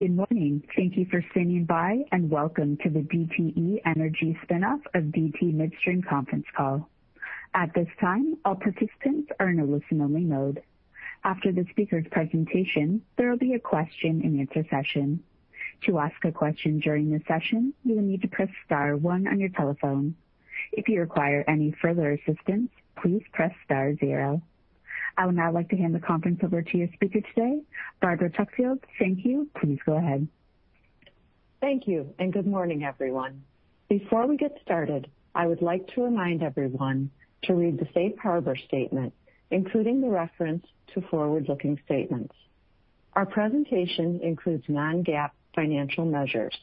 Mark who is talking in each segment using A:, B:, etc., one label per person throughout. A: Good morning. Thank you for standing by, and welcome to the DTE Energy spinoff of DT Midstream conference call. At this time, all participants are in a listen-only mode. After the speaker's presentation, there will be a question and answer only session. To ask a question during the session, you will need to press star one on your telephone. If you require any further assistance, please press star zero. I would now like to hand the conference over to your speaker today, Barbara Tuckfield. Thank you. Please go ahead.
B: Thank you. Good morning, everyone. Before we get started, I would like to remind everyone to read the safe harbor statement, including the reference to forward-looking statements. Our presentation includes non-GAAP financial measures.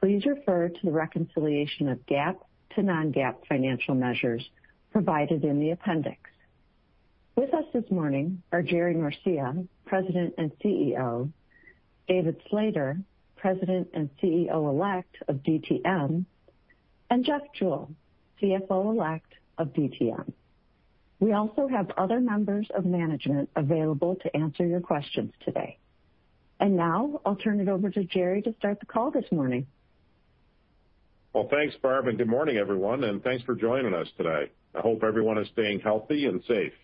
B: Please refer to the reconciliation of GAAP to non-GAAP financial measures provided in the appendix. With us this morning are Gerardo Norcia, President and CEO, David Slater, President and CEO-elect of DTM, and Jeff Jewell, CFO-elect of DTM. We also have other members of management available to answer your questions today. Now I'll turn it over to Jerry to start the call this morning.
C: Well, thanks, Barb, and good morning, everyone, and thanks for joining us today. I hope everyone is staying healthy and safe.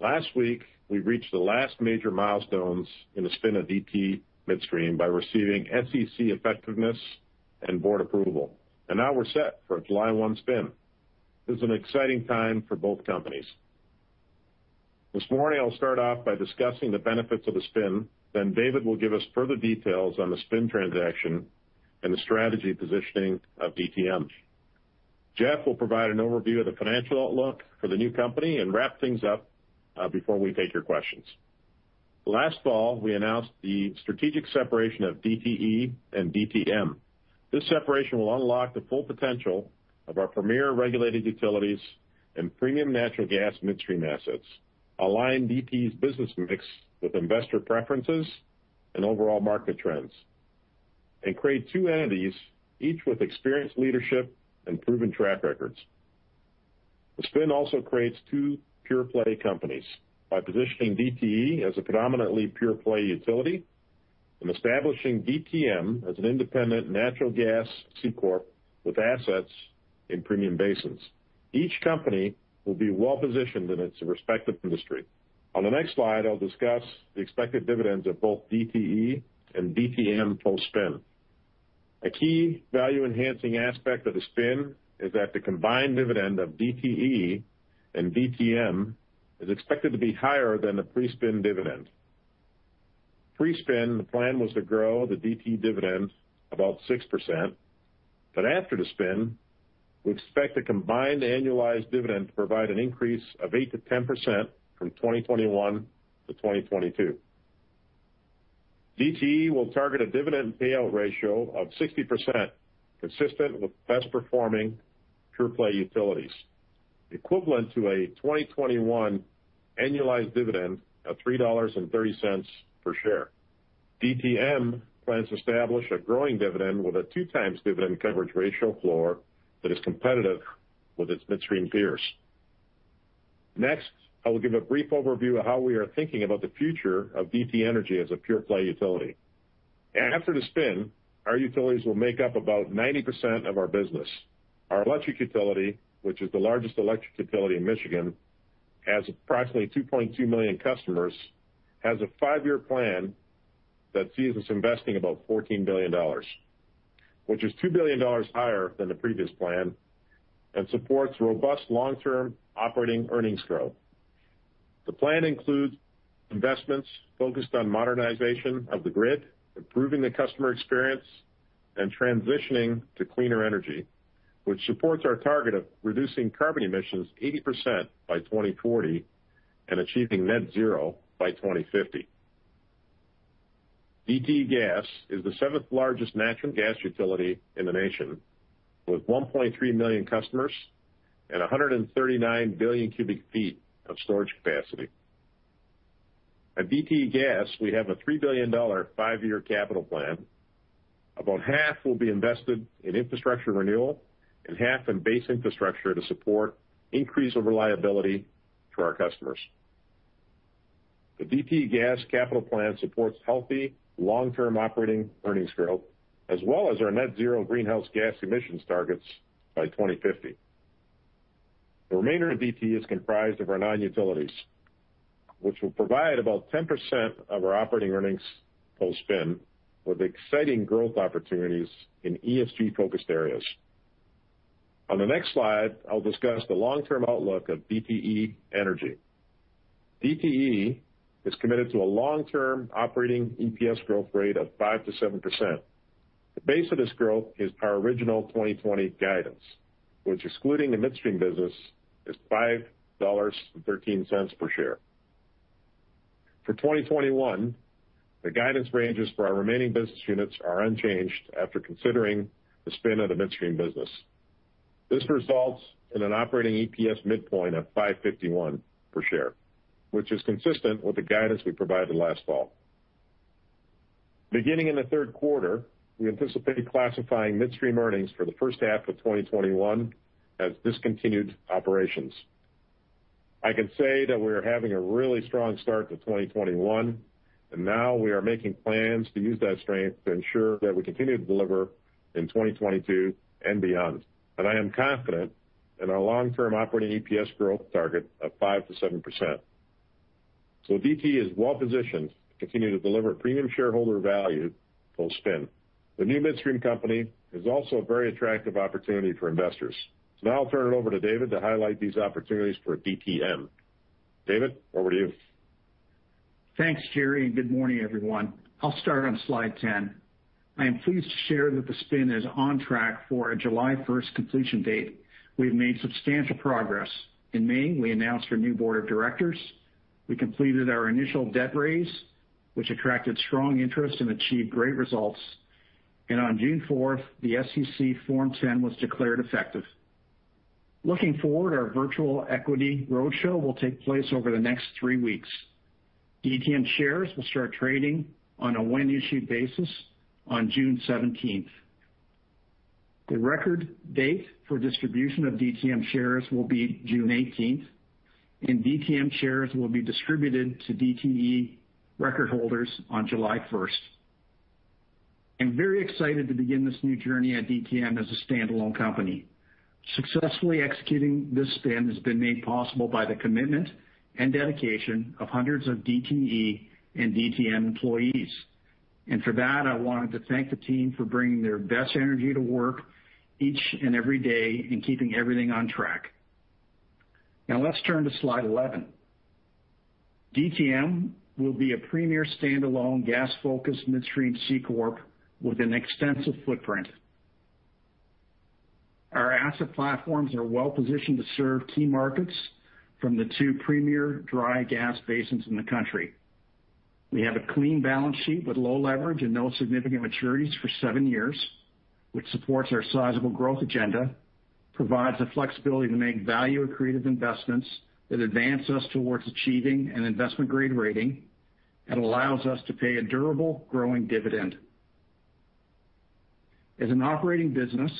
C: Last week, we reached the last major milestones in the spin of DT Midstream by receiving SEC effectiveness and board approval, and now we're set for a July 1 spin. This is an exciting time for both companies. This morning, I'll start off by discussing the benefits of the spin. David will give us further details on the spin transaction and the strategy positioning of DTM. Jeff will provide an overview of the financial outlook for the new company and wrap things up before we take your questions. Last fall, we announced the strategic separation of DTE and DTM. This separation will unlock the full potential of our premier regulated utilities and premium natural gas midstream assets, align DTE Energy's business mix with investor preferences and overall market trends, and create two entities, each with experienced leadership and proven track records. The spin also creates two pure-play companies by positioning DTE Energy as a predominantly pure-play utility and establishing DTM as an independent natural gas C-Corp with assets in premium basins. Each company will be well-positioned in its respective industry. On the next slide, I'll discuss the expected dividends of both DTE Energy and DTM post-spin. A key value-enhancing aspect of the spin is that the combined dividend of DTE Energy and DTM is expected to be higher than the pre-spin dividend. Pre-spin, the plan was to grow the DTE dividend about 6%. After the spin, we expect a combined annualized dividend to provide an increase of 8%-10% from 2021 to 2022. DTE will target a dividend payout ratio of 60%, consistent with best-performing pure-play utilities, equivalent to a 2021 annualized dividend of $3.30 per share. DTM plans to establish a growing dividend with a 2 times dividend coverage ratio floor that is competitive with its midstream peers. I will give a brief overview of how we are thinking about the future of DTE Energy as a pure-play utility. After the spin, our utilities will make up about 90% of our business. Our electric utility, which is the largest electric utility in Michigan, has approximately 2.2 million customers, has a five-year plan that sees us investing about $14 billion, which is $2 billion higher than the previous plan and supports robust long-term operating earnings growth. The plan includes investments focused on modernization of the grid, improving the customer experience, and transitioning to cleaner energy, which supports our target of reducing carbon emissions 80% by 2040 and achieving net zero by 2050. DTE Gas is the seventh-largest natural gas utility in the nation, with 1.3 million customers and 139 billion cubic feet of storage capacity. At DTE Gas, we have a $3 billion five-year capital plan. About half will be invested in infrastructure renewal and half in base infrastructure to support increase of reliability to our customers. The DTE Gas capital plan supports healthy long-term operating earnings growth, as well as our net zero greenhouse gas emissions targets by 2050. The remainder of DTE is comprised of our non-utilities, which will provide about 10% of our operating earnings post-spin with exciting growth opportunities in ESG-focused areas. On the next slide, I'll discuss the long-term outlook of DTE Energy. DTE is committed to a long-term operating EPS growth rate of 5%-7%. The base of this growth is our original 2020 guidance, which excluding the midstream business, is $5.13 per share. For 2021, the guidance ranges for our remaining business units are unchanged after considering the spin of the midstream business. This results in an operating EPS midpoint of $5.51 per share, which is consistent with the guidance we provided last fall. Beginning in the third quarter, we anticipate classifying midstream earnings for the first half of 2021 as discontinued operations. I can say that we're having a really strong start to 2021. Now we are making plans to use that strength to ensure that we continue to deliver in 2022 and beyond. I am confident in our long-term operating EPS growth target of 5%-7%. DTE Energy is well-positioned to continue to deliver premium shareholder value post-spin. The new midstream company is also a very attractive opportunity for investors. Now I'll turn it over to David to highlight these opportunities for DTM. David, over to you.
D: Thanks, Jerry, and good morning, everyone. I'll start on slide 10. I am pleased to share that the spin is on track for a July first completion date. We've made substantial progress. In May, we announced our new board of directors. We completed our initial debt raise, which attracted strong interest and achieved great results. On June fourth, the SEC Form 10 was declared effective. Looking forward, our virtual equity roadshow will take place over the next three weeks. DTM shares will start trading on a when-issued basis on June 17th. The record date for distribution of DTM shares will be June 18th, and DTM shares will be distributed to DTE record holders on July first. I'm very excited to begin this new journey at DTM as a standalone company. Successfully executing this spin has been made possible by the commitment and dedication of hundreds of DTE and DTM employees. For that, I wanted to thank the team for bringing their best energy to work each and every day and keeping everything on track. Let's turn to slide 11. DTM will be a premier standalone gas-focused midstream C-Corp with an extensive footprint. Our asset platforms are well-positioned to serve key markets from the two premier dry gas basins in the country. We have a clean balance sheet with low leverage and no significant maturities for seven years, which supports our sizable growth agenda, provides the flexibility to make value-accretive investments that advance us towards achieving an investment-grade rating, and allows us to pay a durable growing dividend. As an operating business,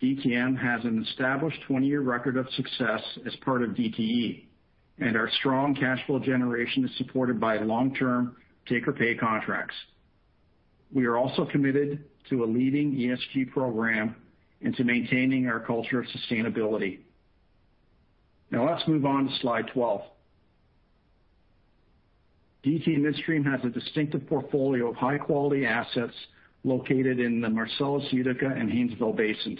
D: DTM has an established 20-year record of success as part of DTE, and our strong cash flow generation is supported by long-term take-or-pay contracts. We are also committed to a leading ESG program and to maintaining our culture of sustainability. Let's move on to slide 12. DT Midstream has a distinctive portfolio of high-quality assets located in the Marcellus Utica and Haynesville basins.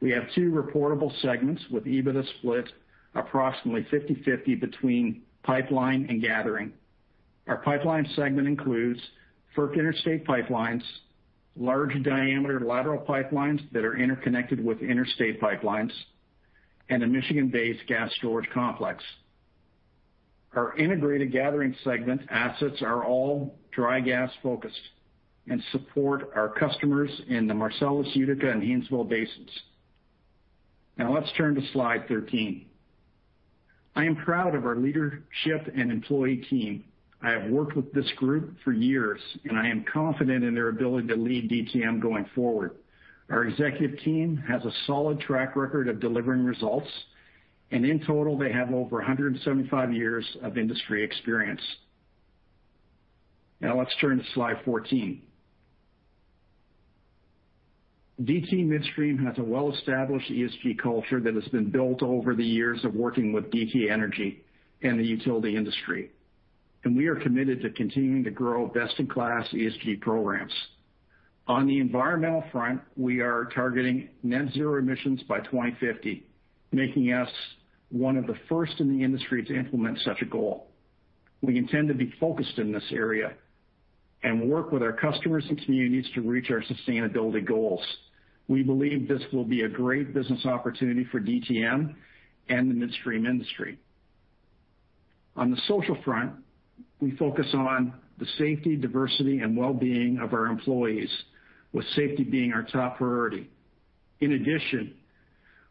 D: We have two reportable segments with EBITDA split approximately 50/50 between Pipeline and Gathering. Our Pipeline segment includes FERC interstate pipelines, large-diameter lateral pipelines that are interconnected with interstate pipelines, and a Michigan-based gas storage complex. Our integrated gathering segment assets are all dry gas-focused and support our customers in the Marcellus Utica and Haynesville basins. Let's turn to slide 13. I am proud of our leadership and employee team. I have worked with this group for years, and I am confident in their ability to lead DTM going forward. Our executive team has a solid track record of delivering results, and in total, they have over 175 years of industry experience. Let's turn to slide 14. DT Midstream has a well-established ESG culture that has been built over the years of working with DTE Energy and the utility industry, and we are committed to continuing to grow best-in-class ESG programs. On the environmental front, we are targeting net zero emissions by 2050, making us one of the first in the industry to implement such a goal. We intend to be focused in this area and work with our customers and communities to reach our sustainability goals. We believe this will be a great business opportunity for DTM and the midstream industry. On the social front, we focus on the safety, diversity, and well-being of our employees, with safety being our top priority. In addition,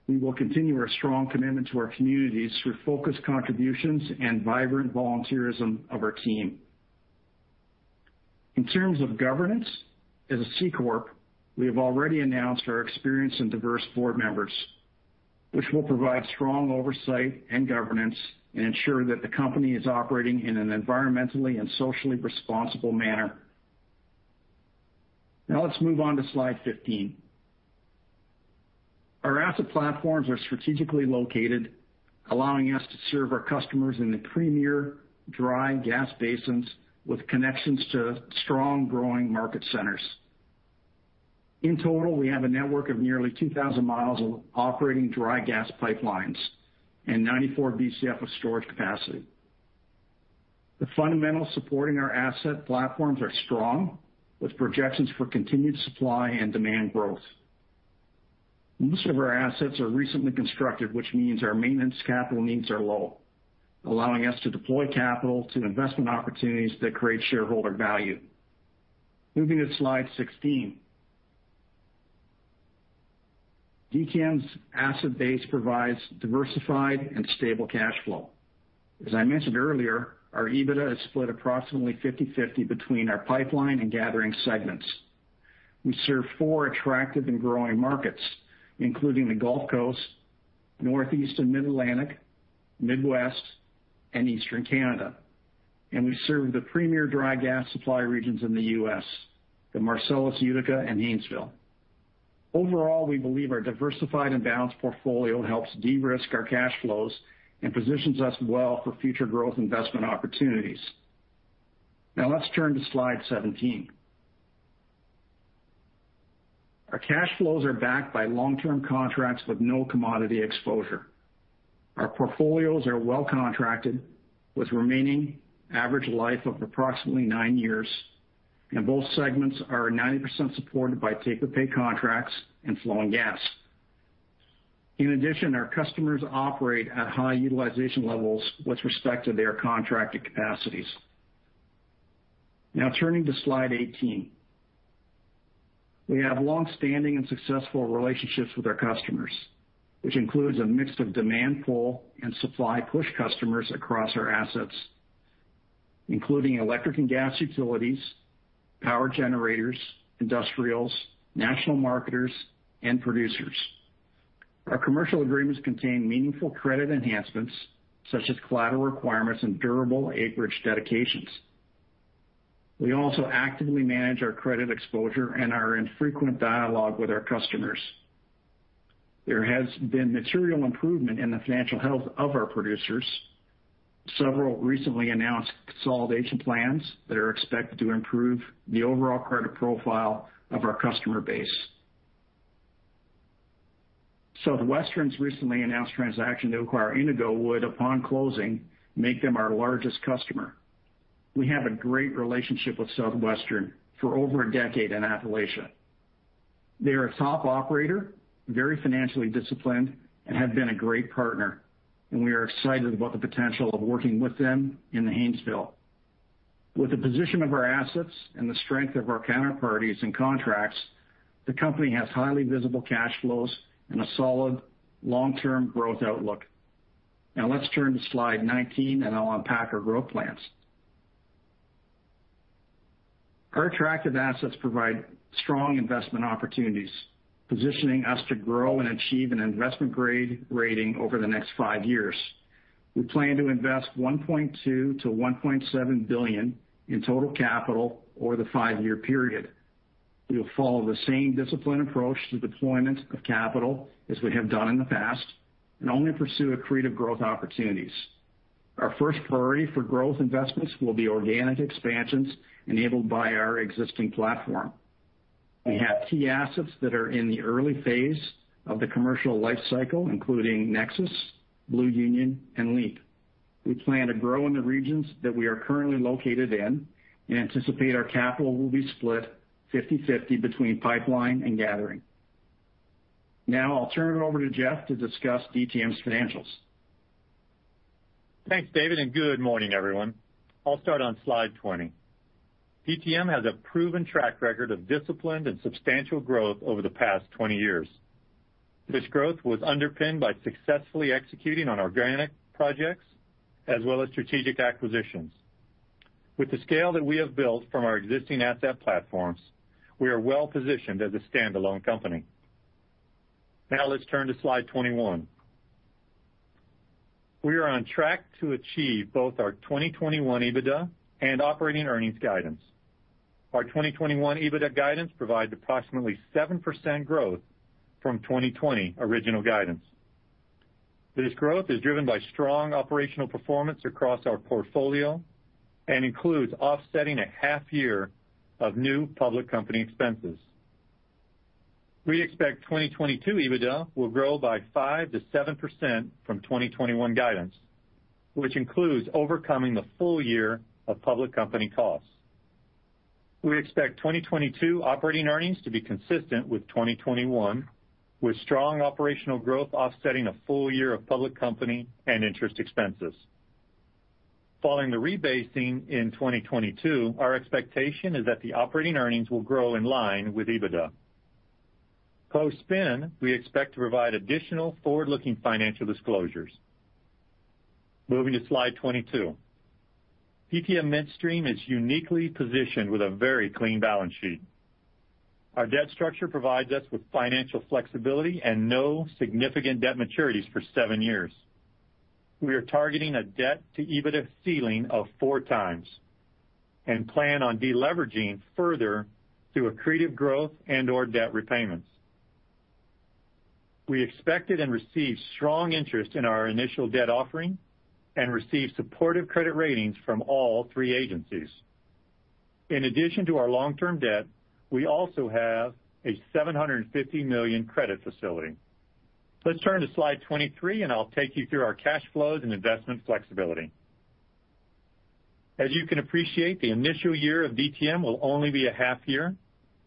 D: we will continue our strong commitment to our communities through focused contributions and vibrant volunteerism of our team. In terms of governance, as a C-Corp, we have already announced our experienced and diverse board members, which will provide strong oversight and governance and ensure that the company is operating in an environmentally and socially responsible manner. Let's move on to slide 15. Our asset platforms are strategically located, allowing us to serve our customers in the premier dry gas basins with connections to strong growing market centers. In total, we have a network of nearly 2,000 miles of operating dry gas pipelines and 94 Bcf of storage capacity. The fundamentals supporting our asset platforms are strong, with projections for continued supply and demand growth. Most of our assets are recently constructed, which means our maintenance capital needs are low, allowing us to deploy capital to investment opportunities that create shareholder value. Moving to slide 16. DTM's asset base provides diversified and stable cash flow. As I mentioned earlier, our EBITDA is split approximately 50/50 between our pipeline and gathering segments. We serve four attractive and growing markets, including the Gulf Coast, Northeast and Mid-Atlantic, Midwest, and Eastern Canada. We serve the premier dry gas supply regions in the U.S., the Marcellus Utica and Haynesville. Overall, we believe our diversified and balanced portfolio helps de-risk our cash flows and positions us well for future growth investment opportunities. Now let's turn to slide 17. Our cash flows are backed by long-term contracts with no commodity exposure. Our portfolios are well contracted with remaining average life of approximately nine years, and both segments are 90% supported by take-or-pay contracts and flowing gas. In addition, our customers operate at high utilization levels with respect to their contracted capacities. Now turning to slide 18. We have longstanding and successful relationships with our customers, which includes a mix of demand pull and supply push customers across our assets, including electric and gas utilities, power generators, industrials, national marketers, and producers. Our commercial agreements contain meaningful credit enhancements, such as collateral requirements and durable acreage dedications. We also actively manage our credit exposure and are in frequent dialogue with our customers. There has been material improvement in the financial health of our producers. Several recently announced consolidation plans that are expected to improve the overall credit profile of our customer base. Southwestern's recently announced transaction to acquire Indigo would, upon closing, make them our largest customer. We have a great relationship with Southwestern for over a decade in Appalachia. They are a top operator, very financially disciplined, and have been a great partner, and we are excited about the potential of working with them in the Haynesville. With the position of our assets and the strength of our counterparties and contracts, the company has highly visible cash flows and a solid long-term growth outlook. Let's turn to slide 19, and I'll unpack our growth plans. Our attractive assets provide strong investment opportunities, positioning us to grow and achieve an investment-grade rating over the next five years. We plan to invest $1.2 billion-$1.7 billion in total capital over the five-year period. We'll follow the same disciplined approach to deployment of capital as we have done in the past and only pursue accretive growth opportunities. Our first priority for growth investments will be organic expansions enabled by our existing platform. We have key assets that are in the early phase of the commercial life cycle, including NEXUS, Blue Union, and LEAP. We plan to grow in the regions that we are currently located in and anticipate our capital will be split 50/50 between Pipeline and Gathering. Now I'll turn it over to Jeff to discuss DTM's financials.
E: Thanks, David, and good morning, everyone. I'll start on slide 20. DTM has a proven track record of disciplined and substantial growth over the past 20 years. This growth was underpinned by successfully executing on organic projects as well as strategic acquisitions. With the scale that we have built from our existing asset platforms, we are well-positioned as a standalone company. Now let's turn to slide 21. We are on track to achieve both our 2021 EBITDA and operating earnings guidance. Our 2021 EBITDA guidance provides approximately 7% growth from 2020 original guidance. This growth is driven by strong operational performance across our portfolio and includes offsetting a half year of new public company expenses. We expect 2022 EBITDA will grow by 5%-7% from 2021 guidance, which includes overcoming the full year of public company costs. We expect 2022 operating earnings to be consistent with 2021, with strong operational growth offsetting a full year of public company and interest expenses. Following the rebasing in 2022, our expectation is that the operating earnings will grow in line with EBITDA. Post-spin, we expect to provide additional forward-looking financial disclosures. Moving to slide 22. DT Midstream is uniquely positioned with a very clean balance sheet. Our debt structure provides us with financial flexibility and no significant debt maturities for seven years. We are targeting a debt-to-EBITDA ceiling of 4x and plan on de-leveraging further through accretive growth and/or debt repayments. We expected and received strong interest in our initial debt offering and received supportive credit ratings from all three agencies. In addition to our long-term debt, we also have a $750 million credit facility. Let's turn to slide 23, and I'll take you through our cash flows and investment flexibility. As you can appreciate, the initial year of DTM will only be a half year,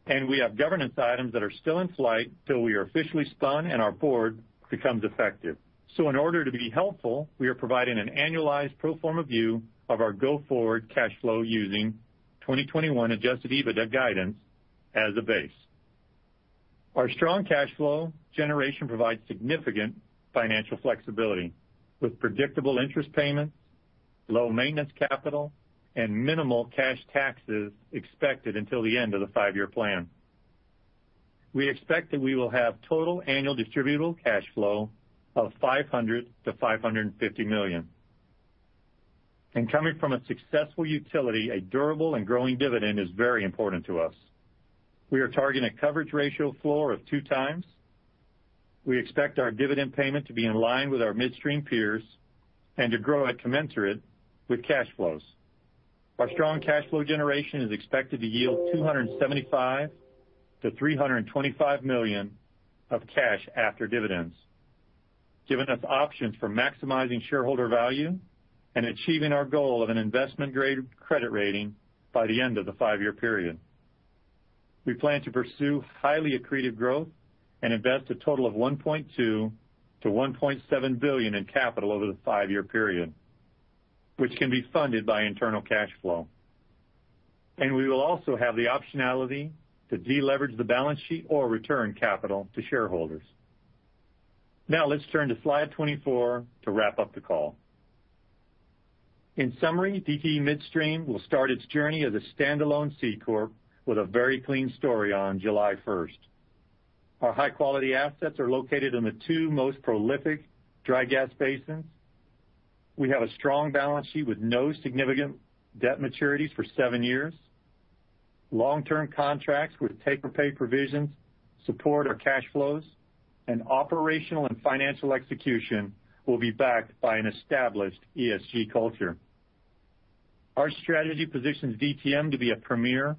E: and we have governance items that are still in flight till we are officially spun and our board becomes effective. In order to be helpful, we are providing an annualized pro forma view of our go-forward cash flow using 2021 adjusted EBITDA guidance as a base. Our strong cash flow generation provides significant financial flexibility with predictable interest payments, low maintenance capital, and minimal cash taxes expected until the end of the five-year plan. We expect that we will have total annual distributable cash flow of $500 million-$550 million. Coming from a successful utility, a durable and growing dividend is very important to us. We are targeting a coverage ratio floor of 2x. We expect our dividend payment to be in line with our midstream peers and to grow at commensurate with cash flows. Our strong cash flow generation is expected to yield $275 million-$325 million of cash after dividends, giving us options for maximizing shareholder value and achieving our goal of an investment-grade credit rating by the end of the five-year period. We plan to pursue highly accretive growth and invest a total of $1.2 billion-$1.7 billion in capital over the five-year period, which can be funded by internal cash flow. We will also have the optionality to deleverage the balance sheet or return capital to shareholders. Now let's turn to slide 24 to wrap up the call. In summary, DT Midstream will start its journey as a standalone C-Corp with a very clean story on July 1st. Our high-quality assets are located in the two most prolific dry gas basins. We have a strong balance sheet with no significant debt maturities for seven years. Long-term contracts with take-or-pay provisions support our cash flows, and operational and financial execution will be backed by an established ESG culture. Our strategy positions DTM to be a premier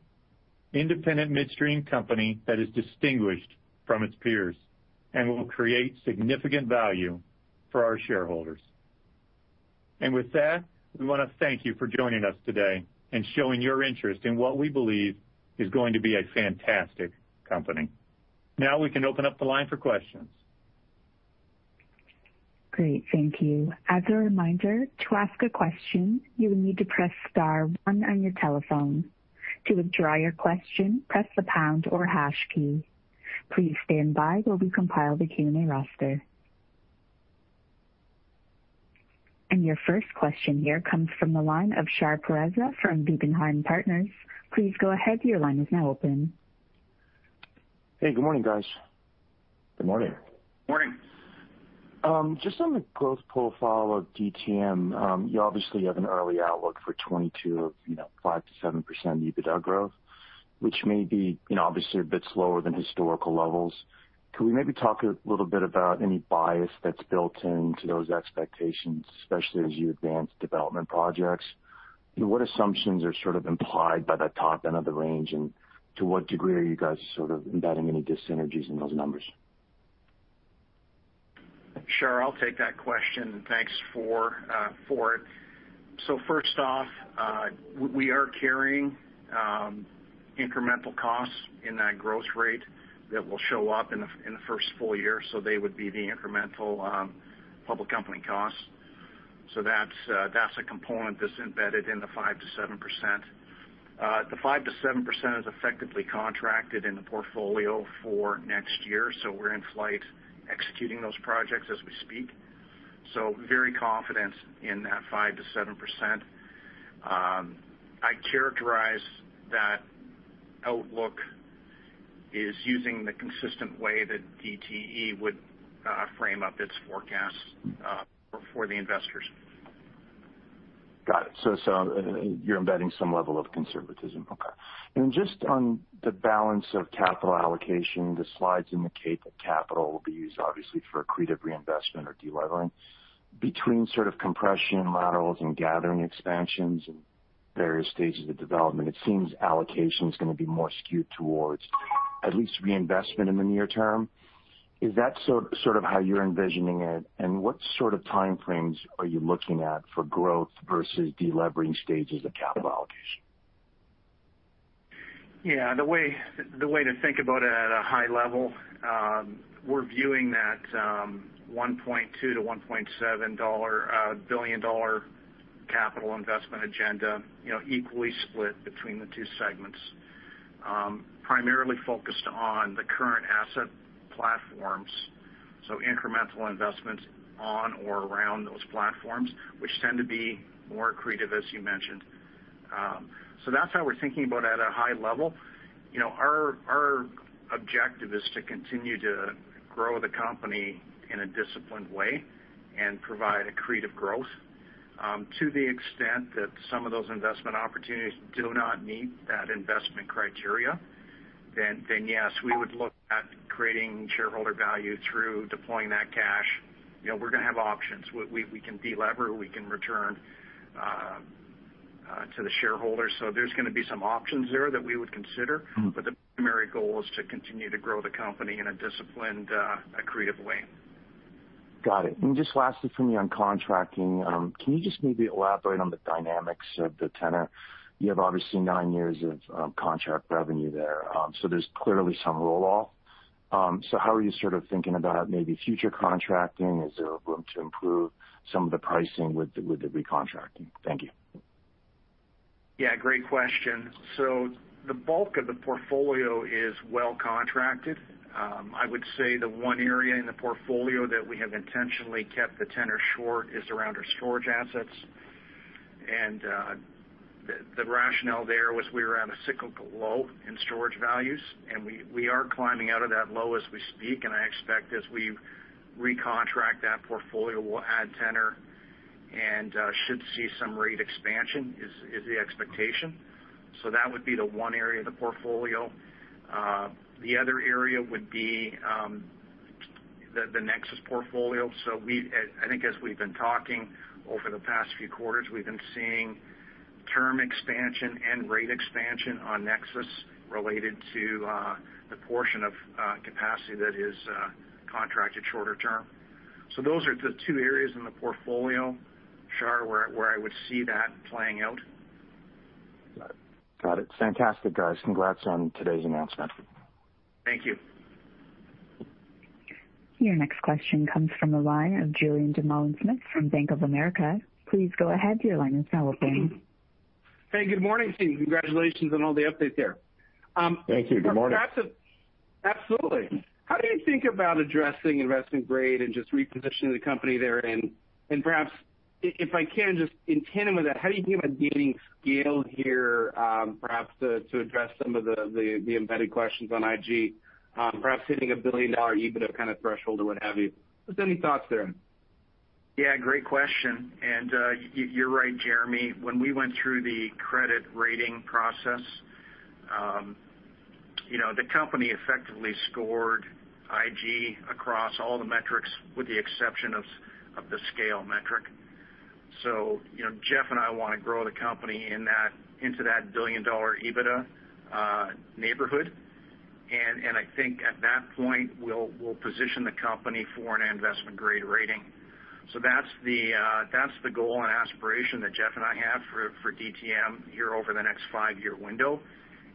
E: independent midstream company that is distinguished from its peers and will create significant value for our shareholders. With that, we wanna thank you for joining us today and showing your interest in what we believe is going to be a fantastic company. Now we can open up the line for questions.
A: Great. Thank you. As a reminder, to ask a question, you will need to press star one on your telephone. To withdraw your question, press the pound or hash key. Please stand by while we compile the Q&A roster. Your first question here comes from the line of Shar Pourreza from Guggenheim Partners. Please go ahead. Your line is now open.
F: Hey, good morning, guys.
E: Good morning.
D: Morning.
F: Just on the growth profile of DTM, you obviously have an early outlook for 2022 of 5%-7% EBITDA growth, which may be obviously a bit slower than historical levels. Can we maybe talk a little bit about any bias that's built into those expectations, especially as you advance development projects? What assumptions are implied by that top end of the range, and to what degree are you guys embedding any dissynergies in those numbers?
D: Sure, I'll take that question. Thanks for it. First off, we are carrying incremental costs in that growth rate that will show up in the first full year, they would be the incremental public company costs. That's a component that's embedded in the 5%-7%. The 5%-7% is effectively contracted in the portfolio for next year, we're in flight executing those projects as we speak, very confident in that 5%-7%. I characterize that outlook is using the consistent way that DTE would frame up its forecast for the investors.
F: Got it. So you're embedding some level of conservatism. Okay. Just on the balance of capital allocation, the slides indicate that capital will be used obviously for accretive reinvestment or delevering. Between sort of compression laterals and gathering expansions and various stages of development, it seems allocation is gonna be more skewed towards at least reinvestment in the near term. Is that sort of how you're envisioning it? What sort of time frames are you looking at for growth versus delevering stages of capital allocation?
D: Yeah, the way to think about it at a high level, we're viewing that $1.2 billion-$1.7 billion capital investment agenda, you know, equally split between the two segments, primarily focused on the current asset platforms, so incremental investments on or around those platforms, which tend to be more accretive, as you mentioned. That's how we're thinking about at a high level. You know, our objective is to continue to grow the company in a disciplined way and provide accretive growth. To the extent that some of those investment opportunities do not meet that investment criteria, then yes, we would look at creating shareholder value through deploying that cash. You know, we're gonna have options. We can delever, we can return to the shareholders. There's gonna be some options there that we would consider. The primary goal is to continue to grow the company in a disciplined, accretive way.
F: Got it. Just lastly from me on contracting, can you just maybe elaborate on the dynamics of the tenant? You have obviously nine years of contract revenue there, so there's clearly some roll-off. How are you sort of thinking about maybe future contracting? Is there room to improve some of the pricing with the recontracting? Thank you.
D: Yeah, great question. The bulk of the portfolio is well contracted. I would say the one area in the portfolio that we have intentionally kept the tenor short is around our storage assets. The rationale there was we were at a cyclical low in storage values, and we are climbing out of that low as we speak. I expect as we recontract that portfolio, we'll add tenor and should see some rate expansion, is the expectation. That would be the one area of the portfolio. The other area would be the NEXUS portfolio. I think as we've been talking over the past few quarters, we've been seeing term expansion and rate expansion on NEXUS related to the portion of capacity that is contracted shorter term. Those are the two areas in the portfolio, Shar, where I would see that playing out.
F: Got it. Fantastic, guys. Congrats on today's announcement.
D: Thank you.
A: Your next question comes from the line of Julien Dumoulin-Smith from Bank of America. Please go ahead, your line is now open.
G: Hey, good morning, team. Congratulations on all the updates there.
D: Thank you. Good morning.
G: Perhaps, absolutely. How do you think about addressing investment-grade and just repositioning the company there? Perhaps if I can just in tandem with that, how do you think about gaining scale here, perhaps to address some of the embedded questions on IG, perhaps hitting a $1 billion EBITDA kind of threshold or what have you? Just any thoughts there.
D: Yeah, great question. You're right, Jeremy. When we went through the credit rating process, you know, the company effectively scored IG across all the metrics with the exception of the scale metric. You know, Jeff and I wanna grow the company into that $1 billion EBITDA neighborhood. I think at that point, we'll position the company for an investment-grade rating. That's the goal and aspiration that Jeff and I have for DTM here over the next five-year window.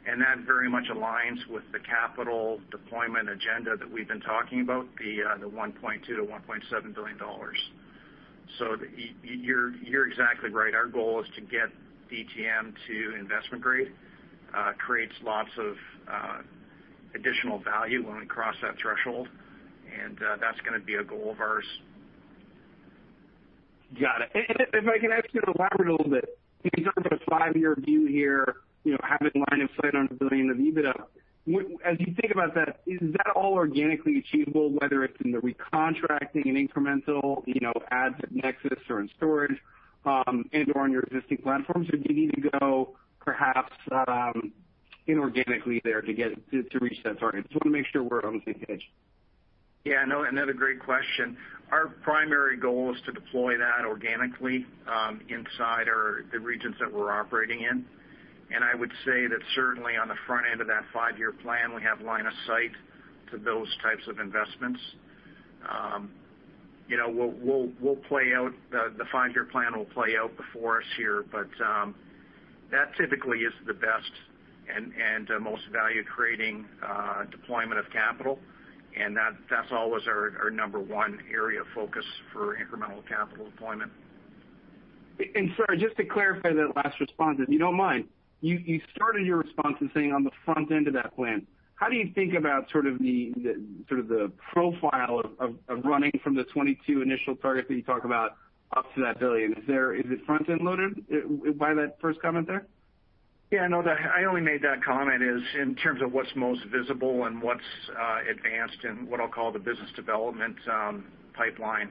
D: That very much aligns with the capital deployment agenda that we've been talking about, the $1.2 billion-$1.7 billion. You're exactly right. Our goal is to get DTM to investment-grade. creates lots of additional value when we cross that threshold, and that's gonna be a goal of ours.
G: Got it. If I can ask you to elaborate a little bit. You talked about a five-year view here, you know, having line of sight on $1 billion of EBITDA. As you think about that, is that all organically achievable, whether it's in the recontracting and incremental, you know, adds at NEXUS or in storage, and/or on your existing platforms? Do you need to go perhaps inorganically there to reach that target? Just wanna make sure we're on the same page.
D: Yeah, no, another great question. Our primary goal is to deploy that organically inside the regions that we're operating in. I would say that certainly on the front end of that five-year plan, we have line of sight to those types of investments. You know, we'll play out the five-year plan will play out before us here, but that typically is the best and most value-creating deployment of capital. That's always our number one area of focus for incremental capital deployment.
G: Sorry, just to clarify that last response, if you don't mind. You started your response saying on the front end of that plan. How do you think about sort of the sort of the profile of running from the 22 initial target that you talk about up to that billion? Is it front-end loaded by that first comment there?
D: No, that I only made that comment in terms of what's most visible and what's advanced in what I'll call the business development pipeline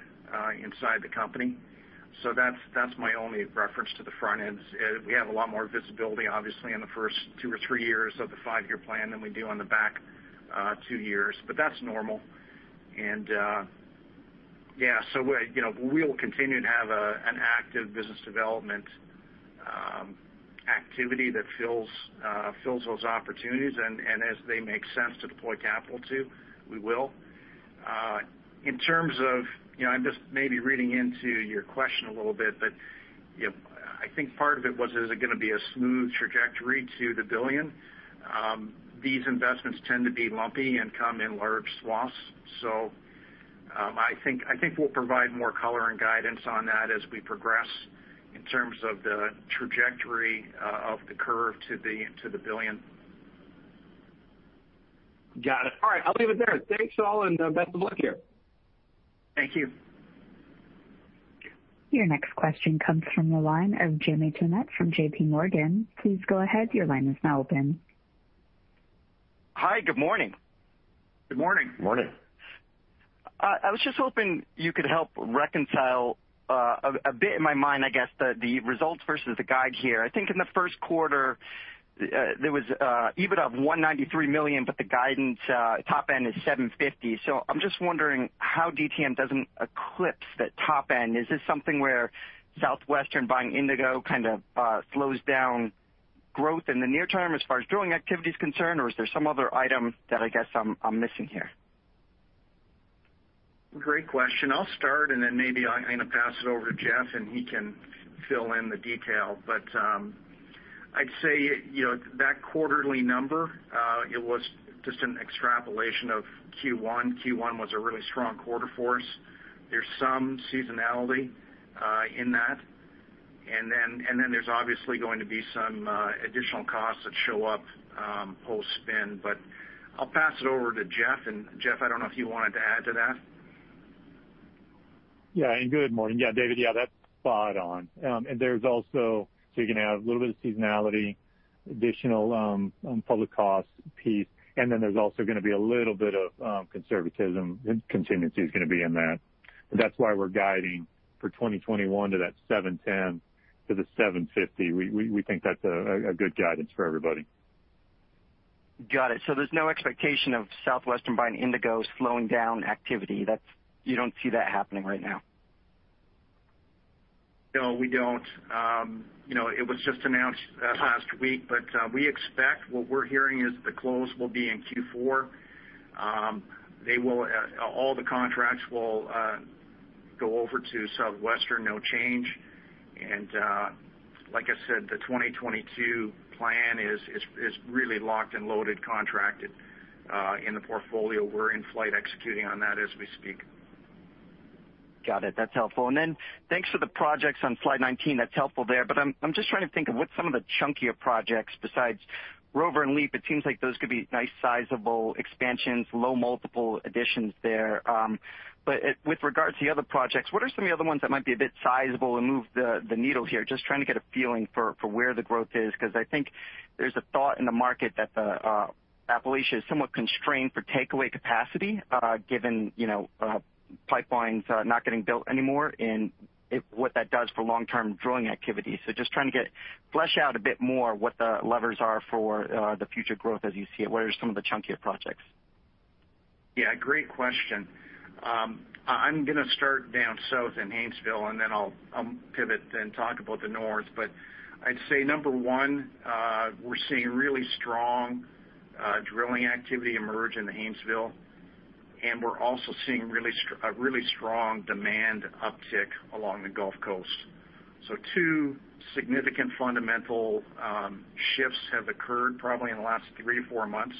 D: inside the company. That's my only reference to the front end. We have a lot more visibility, obviously, in the first two or three years of the five-year plan than we do on the back two years, but that's normal. You know, we will continue to have an active business development activity that fills those opportunities. As they make sense to deploy capital to, we will. In terms of, you know, I'm just maybe reading into your question a little bit, but you know, I think part of it was, is it gonna be a smooth trajectory to the billion? These investments tend to be lumpy and come in large swaths. I think we'll provide more color and guidance on that as we progress in terms of the trajectory of the curve to the billion.
G: Got it. All right, I'll leave it there. Thanks, all, and best of luck here.
D: Thank you.
A: Your next question comes from the line of Jeremy Tonet from JPMorgan. Please go ahead. Your line is now open.
H: Hi, good morning.
D: Good morning.
E: Morning.
H: I was just hoping you could help reconcile a bit in my mind, I guess, the results versus the guide here. I think in the first quarter, there was EBITDA of $193 million, but the guidance top end is $750. I'm just wondering how DTM doesn't eclipse that top end. Is this something where Southwestern buying Indigo kind of slows down growth in the near term as far as drilling activity is concerned, or is there some other item that I guess I'm missing here?
D: Great question. I'll start, and then maybe I'm gonna pass it over to Jeff, and he can fill in the detail. I'd say, you know, that quarterly number, it was just an extrapolation of Q1. Q1 was a really strong quarter for us. There's some seasonality in that. Then there's obviously going to be some additional costs that show up post-spin. I'll pass it over to Jeff. Jeff, I don't know if you wanted to add to that.
E: Yeah. Good morning. Yeah, David, that's spot on. There's also You're gonna have a little bit of seasonality, additional public costs piece, and then there's also gonna be a little bit of conservatism, and contingency is gonna be in that. That's why we're guiding for 2021 to that $7.10-$7.50. We think that's a good guidance for everybody.
H: Got it. There's no expectation of Southwestern buying Indigo slowing down activity. You don't see that happening right now?
D: No, we don't. You know, it was just announced last week. What we're hearing is the close will be in Q4. They will All the contracts will go over to Southwestern, no change. Like I said, the 2022 plan is really locked and loaded, contracted in the portfolio. We're in flight executing on that as we speak.
H: Got it. That's helpful. Thanks for the projects on slide 19. That's helpful there. I'm just trying to think of what some of the chunkier projects besides Rover and LEAP. It seems like those could be nice sizable expansions, low multiple additions there. With regards to the other projects, what are some of the other ones that might be a bit sizable and move the needle here? Just trying to get a feeling for where the growth is. Because I think there's a thought in the market that Appalachia is somewhat constrained for takeaway capacity, given, you know, pipelines not getting built anymore and what that does for long-term drilling activity. Just trying to flesh out a bit more what the levers are for the future growth as you see it. What are some of the chunkier projects?
D: Yeah, great question. I'm gonna start down south in Haynesville. I'll pivot then talk about the north. I'd say number one, we're seeing really strong drilling activity emerge in Haynesville, and we're also seeing a really strong demand uptick along the Gulf Coast. Two significant fundamental shifts have occurred probably in the last three-four months.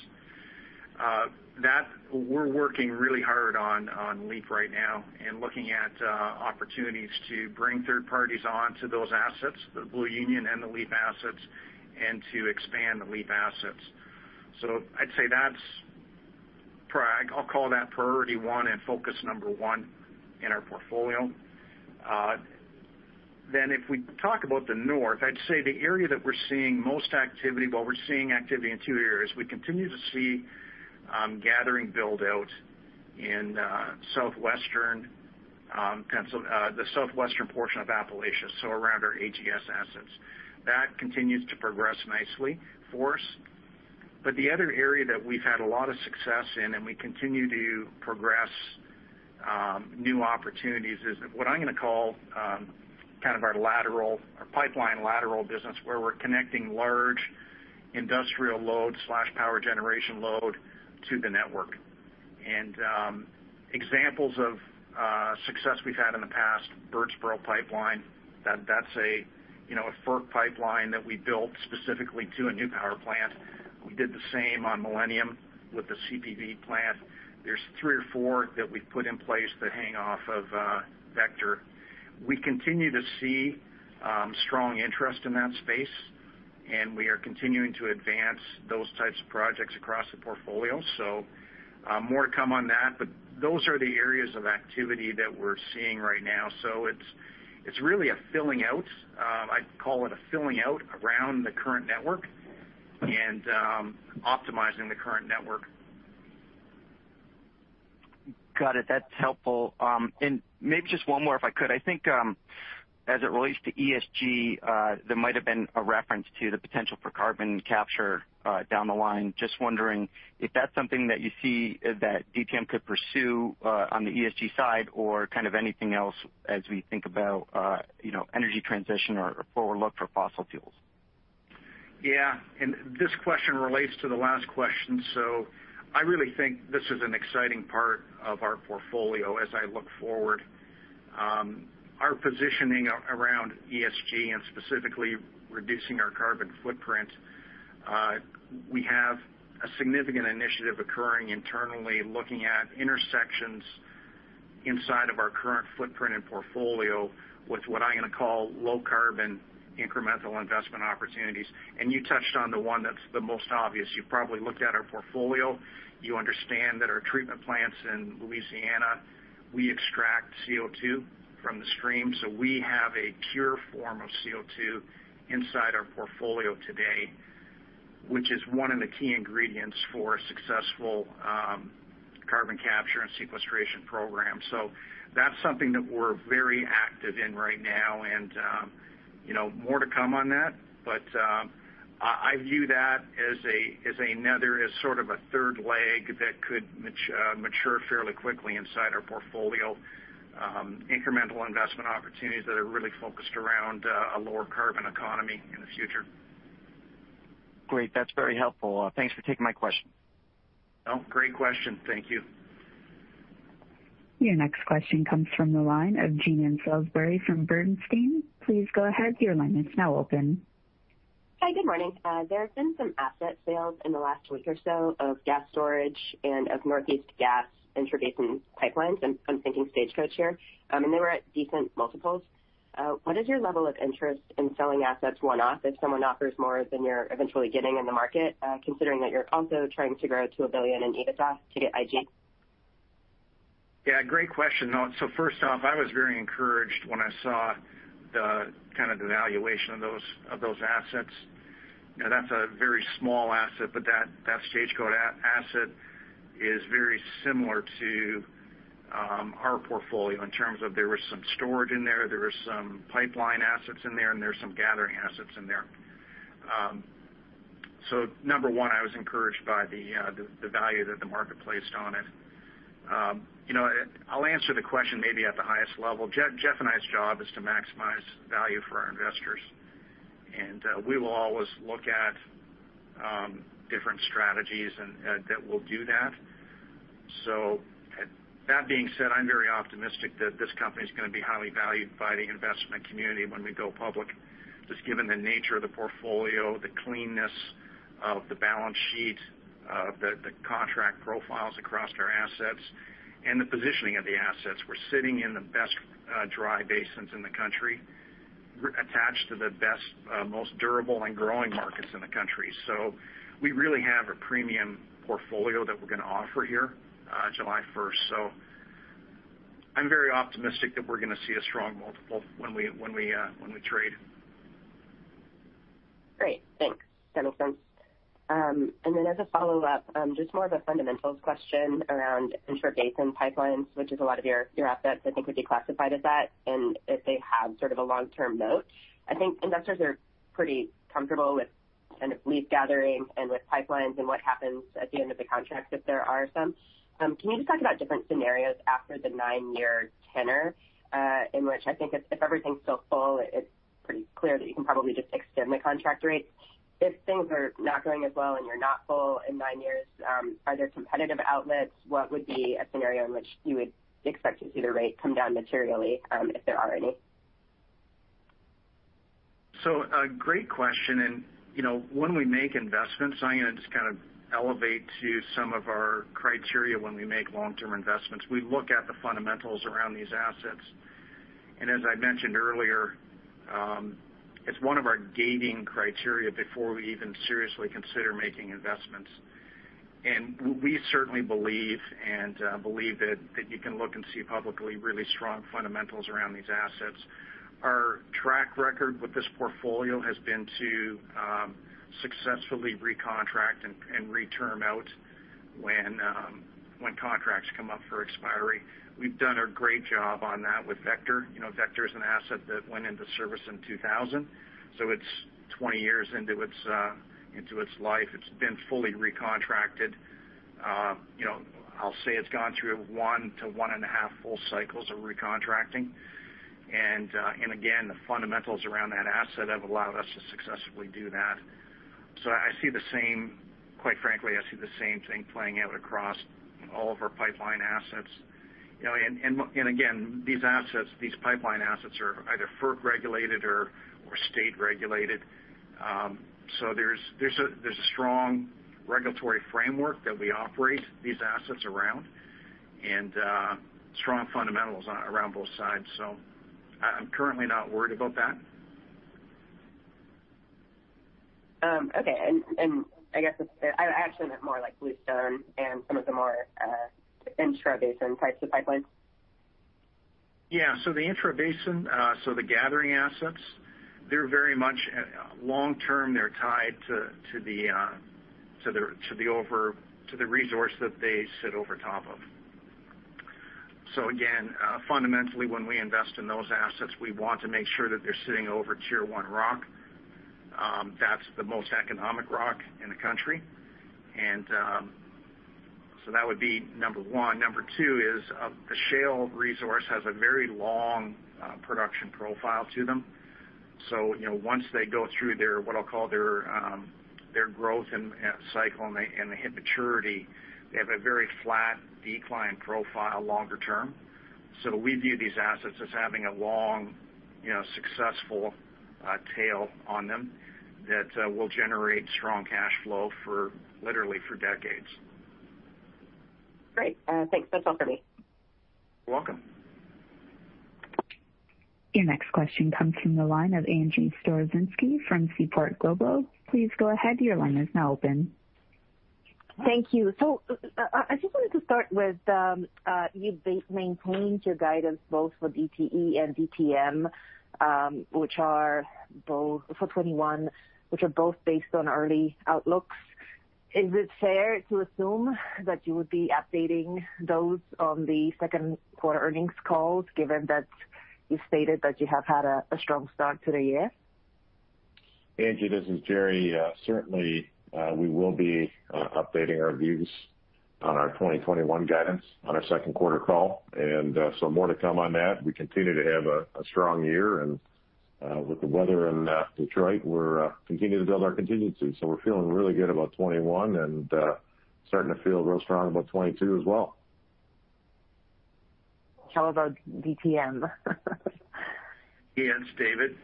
D: We're working really hard on LEAP right now and looking at opportunities to bring third parties on to those assets, the Blue Union and the LEAP assets, and to expand the LEAP assets. I'll call that priority one and focus number one in our portfolio. If we talk about the north, I'd say the area that we're seeing most activity. Well, we're seeing activity in two areas. We continue to see gathering build-out in the southwestern portion of Appalachia, so around our AGS assets. That continues to progress nicely for us. The other area that we've had a lot of success in, and we continue to progress new opportunities, is what I'm gonna call kind of our lateral, our pipeline lateral business, where we're connecting large industrial load/power generation load to the network. Examples of success we've had in the past, Birdsboro Pipeline. That's a, you know, a FERC pipeline that we built specifically to a new power plant. We did the same on Millennium with the CPV plant. There's three or four that we've put in place that hang off of Vector. We continue to see strong interest in that space, and we are continuing to advance those types of projects across the portfolio. More to come on that, but those are the areas of activity that we're seeing right now. It's really a filling out. I'd call it a filling out around the current network and optimizing the current network.
H: Got it. That's helpful. Maybe just one more, if I could. I think, as it relates to ESG, there might have been a reference to the potential for carbon capture down the line. Just wondering if that's something that you see that DTM could pursue on the ESG side or kind of anything else as we think about, you know, energy transition or look for fossil fuels.
D: Yeah. This question relates to the last question. I really think this is an exciting part of our portfolio as I look forward. Our positioning around ESG and specifically reducing our carbon footprint, we have a significant initiative occurring internally looking at intersections inside of our current footprint and portfolio with what I'm gonna call low carbon incremental investment opportunities. You touched on the one that's the most obvious. You've probably looked at our portfolio. You understand that our treatment plants in Louisiana, we extract CO2 from the stream. We have a pure form of CO2 inside our portfolio today, which is one of the key ingredients for a successful carbon capture and sequestration program. That's something that we're very active in right now and, you know, more to come on that. I view that as another, as sort of a third leg that could mature fairly quickly inside our portfolio, incremental investment opportunities that are really focused around a lower carbon economy in the future.
H: Great. That's very helpful. Thanks for taking my question.
D: Oh, great question. Thank you.
A: Your next question comes from the line of Jean Ann Salisbury from Bernstein. Please go ahead. Your line is now open.
I: Hi, good morning. There have been some asset sales in the last week or so of gas storage and of Northeast gas intrabasin pipelines. I'm thinking Stagecoach here. They were at decent multiples. What is your level of interest in selling assets one-off if someone offers more than you're eventually getting in the market, considering that you're also trying to grow to a billion in EBITDA to get IG?
D: Yeah, great question. No, first off, I was very encouraged when I saw the kind of the valuation of those assets. You know, that's a very small asset, but that Stagecoach asset is very similar to our portfolio in terms of there was some storage in there was some pipeline assets in there, and there's some gathering assets in there. Number one, I was encouraged by the value that the market placed on it. You know, I'll answer the question maybe at the highest level. Jeff and I's job is to maximize value for our investors. We will always look at different strategies that will do that. That being said, I'm very optimistic that this company's going to be highly valued by the investment community when we go public, just given the nature of the portfolio, the cleanness of the balance sheet, the contract profiles across our assets, and the positioning of the assets. We're sitting in the best dry basins in the country, attached to the best most durable and growing markets in the country. We really have a premium portfolio that we're going to offer here, July first. I'm very optimistic that we're going to see a strong multiple when we trade.
I: Great. Thanks. That makes sense. As a follow-up, just more of a fundamentals question around intrabasin pipelines, which is a lot of your assets I think would be classified as that, and if they have sort of a long-term moat I think investors are pretty comfortable with kind of lease gathering and with pipelines and what happens at the end of the contract, if there are some. Can you just talk about different scenarios after the nine-year tenor, in which I think if everything's still full, it's pretty clear that you can probably just extend the contract rates. If things are not going as well and you're not full in nine years, are there competitive outlets? What would be a scenario in which you would expect to see the rate come down materially, if there are any?
D: A great question. You know, when we make investments, I'm gonna just kind of elevate to some of our criteria when we make long-term investments. We look at the fundamentals around these assets. As I mentioned earlier, it's one of our gating criteria before we even seriously consider making investments. We certainly believe and believe that you can look and see publicly really strong fundamentals around these assets. Our track record with this portfolio has been to successfully recontract and reterm out when contracts come up for expiry. We've done a great job on that with Vector. You know, Vector is an asset that went into service in 2000, so it's 20 years into its life. It's been fully recontracted. You know, I'll say it's gone through one to 1.5 full cycles of recontracting. Again, the fundamentals around that asset have allowed us to successfully do that. Quite frankly, I see the same thing playing out across all of our pipeline assets. You know, again, these assets, these pipeline assets are either FERC-regulated or state-regulated. There's a strong regulatory framework that we operate these assets around and strong fundamentals around both sides. I'm currently not worried about that.
I: Okay. I guess I actually meant more like Bluestone and some of the more intrabasin types of pipelines.
D: The intrabasin, so the gathering assets, they're very much long term, they're tied to the resource that they sit over top of. Again, fundamentally, when we invest in those assets, we want to make sure that they're sitting over tier 1 rock. That's the most economic rock in the country. That would be number one. Number two is, the shale resource has a very long production profile to them. You know, once they go through their, what I'll call their growth and cycle and they hit maturity, they have a very flat decline profile longer term. We view these assets as having a long, you know, successful tail on them that will generate strong cash flow for literally for decades.
I: Great. Thanks. That's all for me.
D: You're welcome.
A: Your next question comes from the line of Angie Storozynski from Seaport Global. Please go ahead. Your line is now open.
J: Thank you. I just wanted to start with, you maintained your guidance both for DTE and DTM, for 2021, which are both based on early outlooks. Is it fair to assume that you would be updating those on the second quarter earnings calls, given that you stated that you have had a strong start to the year?
C: Angie, this is Jerry. Certainly, we will be updating our views on our 2021 guidance on our 2nd quarter call. More to come on that. We continue to have a strong year. With the weather in Detroit, we're continuing to build our contingency. We're feeling really good about 2021, starting to feel real strong about 2022 as well.
J: How about DTM?
D: Yeah, it's David.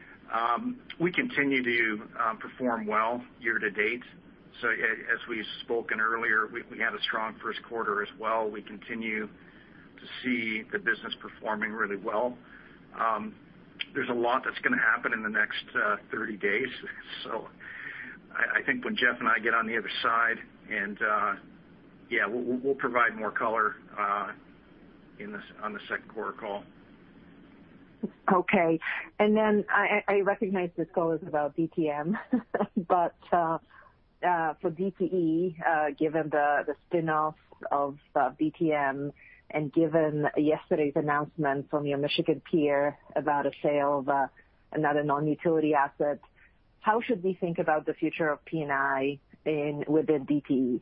D: We continue to perform well year to date. As we've spoken earlier, we had a strong 1st quarter as well. We continue to see the business performing really well. There's a lot that's gonna happen in the next 30 days. I think when Jeff and I get on the other side, yeah, we'll provide more color on the 2nd quarter call.
J: Okay. I recognize this call is about DTM. For DTE, given the spin-off of DTM and given yesterday's announcement from your Michigan peer about a sale of another non-utility asset, how should we think about the future of P&I within DTE?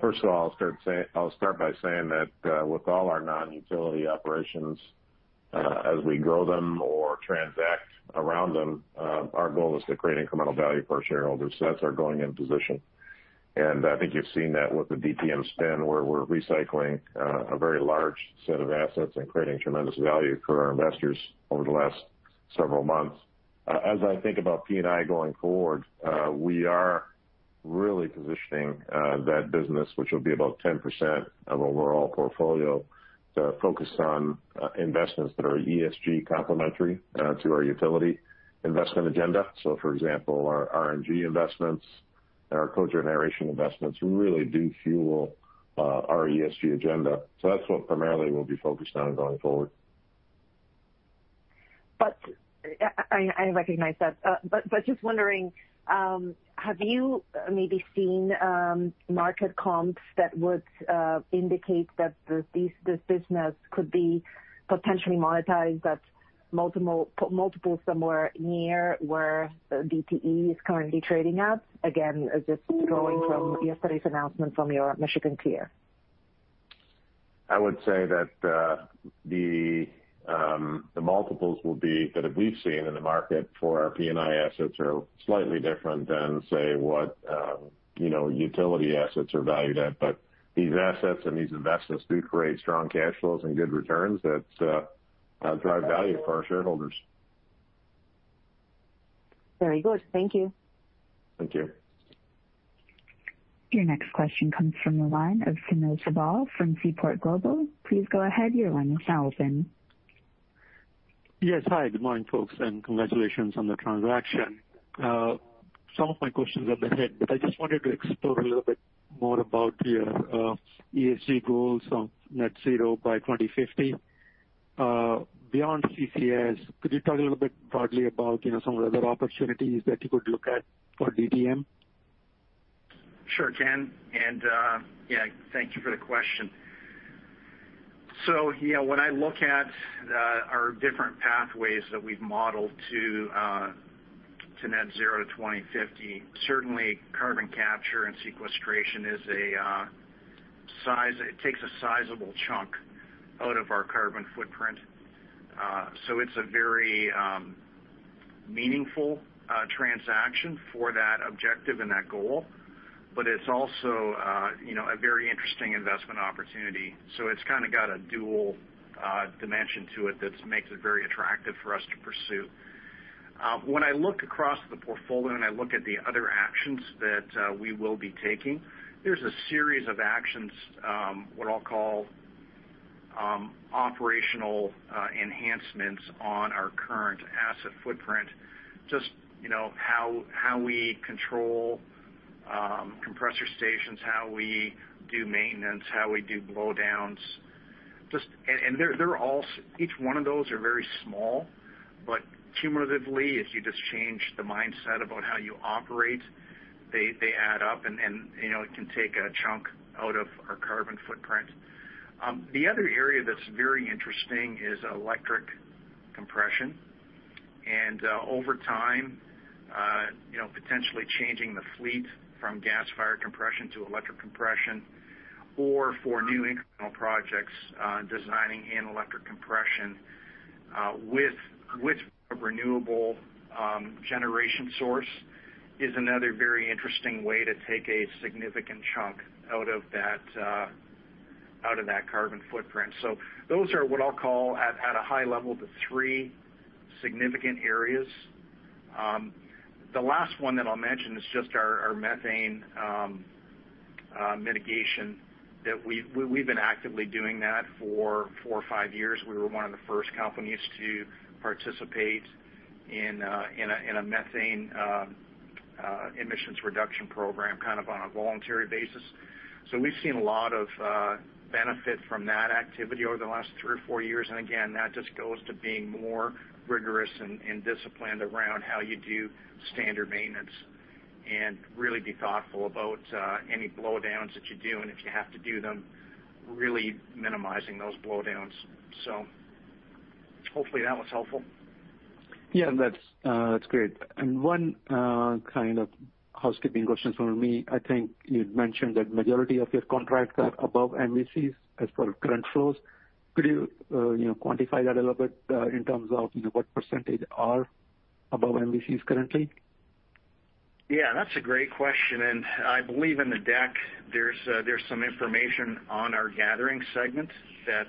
C: First of all, I'll start by saying that with all our non-utility operations, as we grow them or transact around them, our goal is to create incremental value for our shareholders. That's our going-in position. I think you've seen that with the DTM spin, where we're recycling a very large set of assets and creating tremendous value for our investors over the last several months. As I think about P&I going forward, we are really positioning that business, which will be about 10% of overall portfolio, focused on investments that are ESG complementary to our utility investment agenda. For example, our RNG investments and our co-generation investments really do fuel our ESG agenda. That's what primarily we'll be focused on going forward.
J: I recognize that. Just wondering, have you maybe seen market comps that would indicate that this business could be potentially monetized at multiples somewhere near where DTE is currently trading at? Again, just going from yesterday's announcement from your Michigan peer.
C: I would say that the multiples that we've seen in the market for our P&I assets are slightly different than, say, what, you know, utility assets are valued at. These assets and these investments do create strong cash flows and good returns that drive value for our shareholders.
J: Very good. Thank you.
C: Thank you.
A: Your next question comes from the line of Sunil Sibal from Seaport Global. Please go ahead, your line is now open.
K: Yes. Hi, good morning, folks, and congratulations on the transaction. Some of my questions have been hit, but I just wanted to explore a little bit more about your ESG goals of net zero by 2050. Beyond CCS, could you talk a little bit broadly about, you know, some of the other opportunities that you could look at for DTM?
D: Sure can. Thank you for the question. When I look at our different pathways that we've modeled to net zero 2050, certainly carbon capture and sequestration is a sizable chunk out of our carbon footprint. It's a very meaningful transaction for that objective and that goal, but it's also, you know, a very interesting investment opportunity. It's kind of got a dual dimension to it that's makes it very attractive for us to pursue. When I look across the portfolio and I look at the other actions that we will be taking, there's a series of actions, what I'll call operational enhancements on our current asset footprint. Just, you know, how we control compressor stations, how we do maintenance, how we do blowdowns. Each one of those are very small, but cumulatively, if you just change the mindset about how you operate, they add up and, you know, it can take a chunk out of our carbon footprint. The other area that's very interesting is electric compression. Over time, you know, potentially changing the fleet from gas-fired compression to electric compression or for new incremental projects, designing in electric compression, with a renewable generation source is another very interesting way to take a significant chunk out of that carbon footprint. Those are what I'll call at a high level, the three significant areas. The last one that I'll mention is just our methane mitigation that we've been actively doing that for four or five years. We were one of the first companies to participate in a methane emissions reduction program kind of on a voluntary basis. We've seen a lot of benefit from that activity over the last three or four years. Again, that just goes to being more rigorous and disciplined around how you do standard maintenance and really be thoughtful about any blowdowns that you do, and if you have to do them, really minimizing those blowdowns. Hopefully that was helpful.
K: Yeah, that's great. One kind of housekeeping question from me. I think you'd mentioned that majority of your contracts are above MVCs as per current flows. Could you know, quantify that a little bit in terms of, you know, what percentage are above MVCs currently?
D: Yeah, that's a great question. I believe in the deck there's some information on our gathering segment that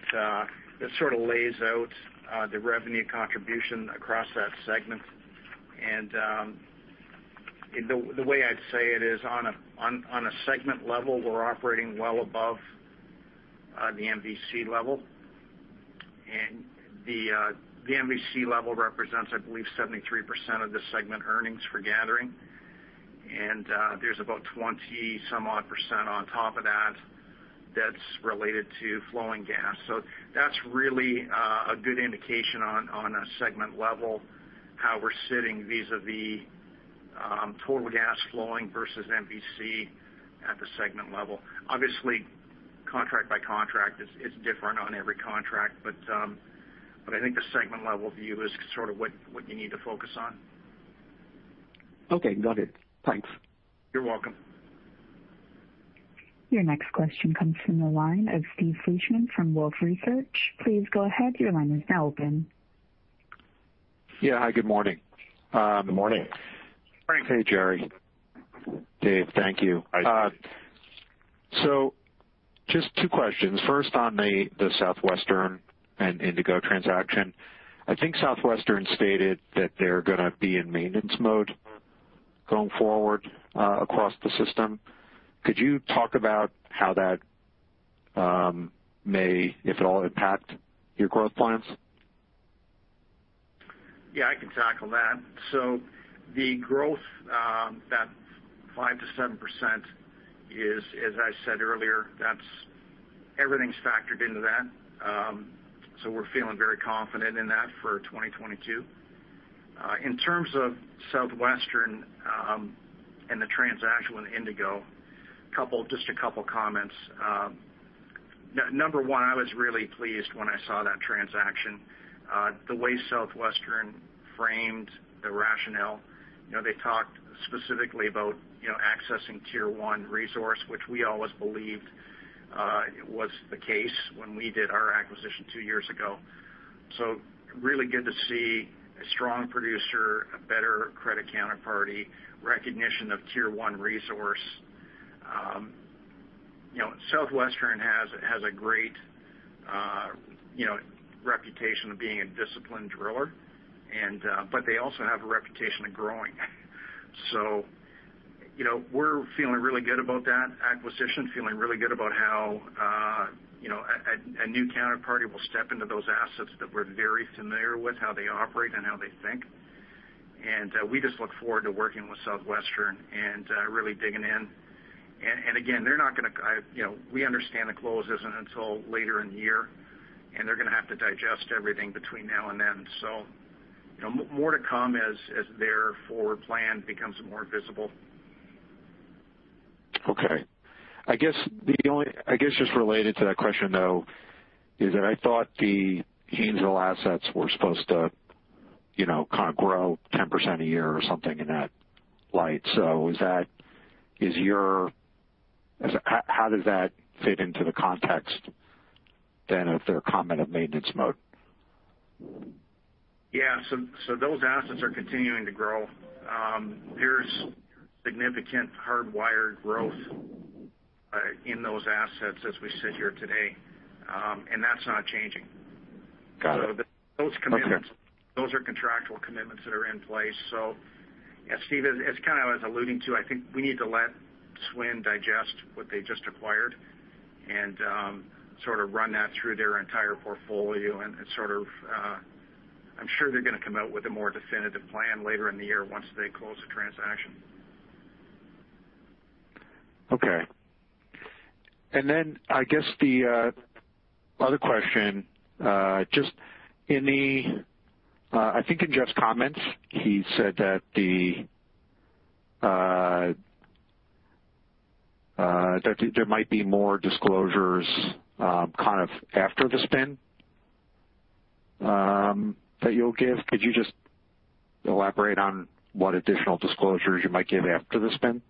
D: sort of lays out the revenue contribution across that segment. The way I'd say it is on a segment level, we're operating well above the MVC level. The MVC level represents, I believe, 73% of the segment earnings for gathering. There's about 20 some odd percent on top of that that's related to flowing gas. That's really a good indication on a segment level, how we're sitting vis-a-vis total gas flowing versus MVC at the segment level. Obviously, contract by contract is different on every contract. But I think the segment level view is sort of what you need to focus on.
K: Okay. Got it. Thanks.
D: You're welcome.
A: Your next question comes from the line of Steve Fleishman from Wolfe Research. Please go ahead, your line is now open.
L: Yeah. Hi, good morning.
D: Good morning.
E: Morning.
L: Hey, Jerry. Dave, thank you.
D: Hi, Steve.
L: Just two questions. First, on the Southwestern and Indigo transaction. I think Southwestern stated that they're gonna be in maintenance mode going forward, across the system. Could you talk about how that may, if at all, impact your growth plans?
D: Yeah, I can tackle that. The growth, that 5%-7% is, as I said earlier, everything's factored into that. We're feeling very confident in that for 2022. In terms of Southwestern, and the transaction with Indigo, just a couple comments. Number one, I was really pleased when I saw that transaction. The way Southwestern framed the rationale, you know, they talked specifically about, you know, accessing tier 1 resource, which we always believed was the case when we did our acquisition two years ago. Really good to see a strong producer, a better credit counterparty, recognition of tier 1 resource. You know, Southwestern has a great, you know, reputation of being a disciplined driller and they also have a reputation of growing. You know, we're feeling really good about that acquisition. Feeling really good about how, you know, a new counterparty will step into those assets that we're very familiar with, how they operate and how they think. We just look forward to working with Southwestern and really digging in. Again, they're not gonna, you know, we understand the close isn't until later in the year, and they're gonna have to digest everything between now and then. You know, more to come as their forward plan becomes more visible.
L: Okay. I guess just related to that question though, is that I thought the Haynesville assets were supposed to, you know, kind of grow 10% a year or something in that light. How does that fit into the context then of their comment of maintenance mode?
D: Yeah. Those assets are continuing to grow. There's significant hardwired growth in those assets as we sit here today. That's not changing.
L: Got it. Okay.
D: Those commitments, those are contractual commitments that are in place. Yeah, Steve, as kind of I was alluding to, I think we need to let SWN digest what they just acquired and sort of run that through their entire portfolio. Sort of I'm sure they're gonna come out with a more definitive plan later in the year once they close the transaction.
L: Okay. Then I guess the other question, just in the, I think in Jeff's comments, he said that there might be more disclosures, kind of after the spin, that you'll give. Could you just elaborate on what additional disclosures you might give after the spin?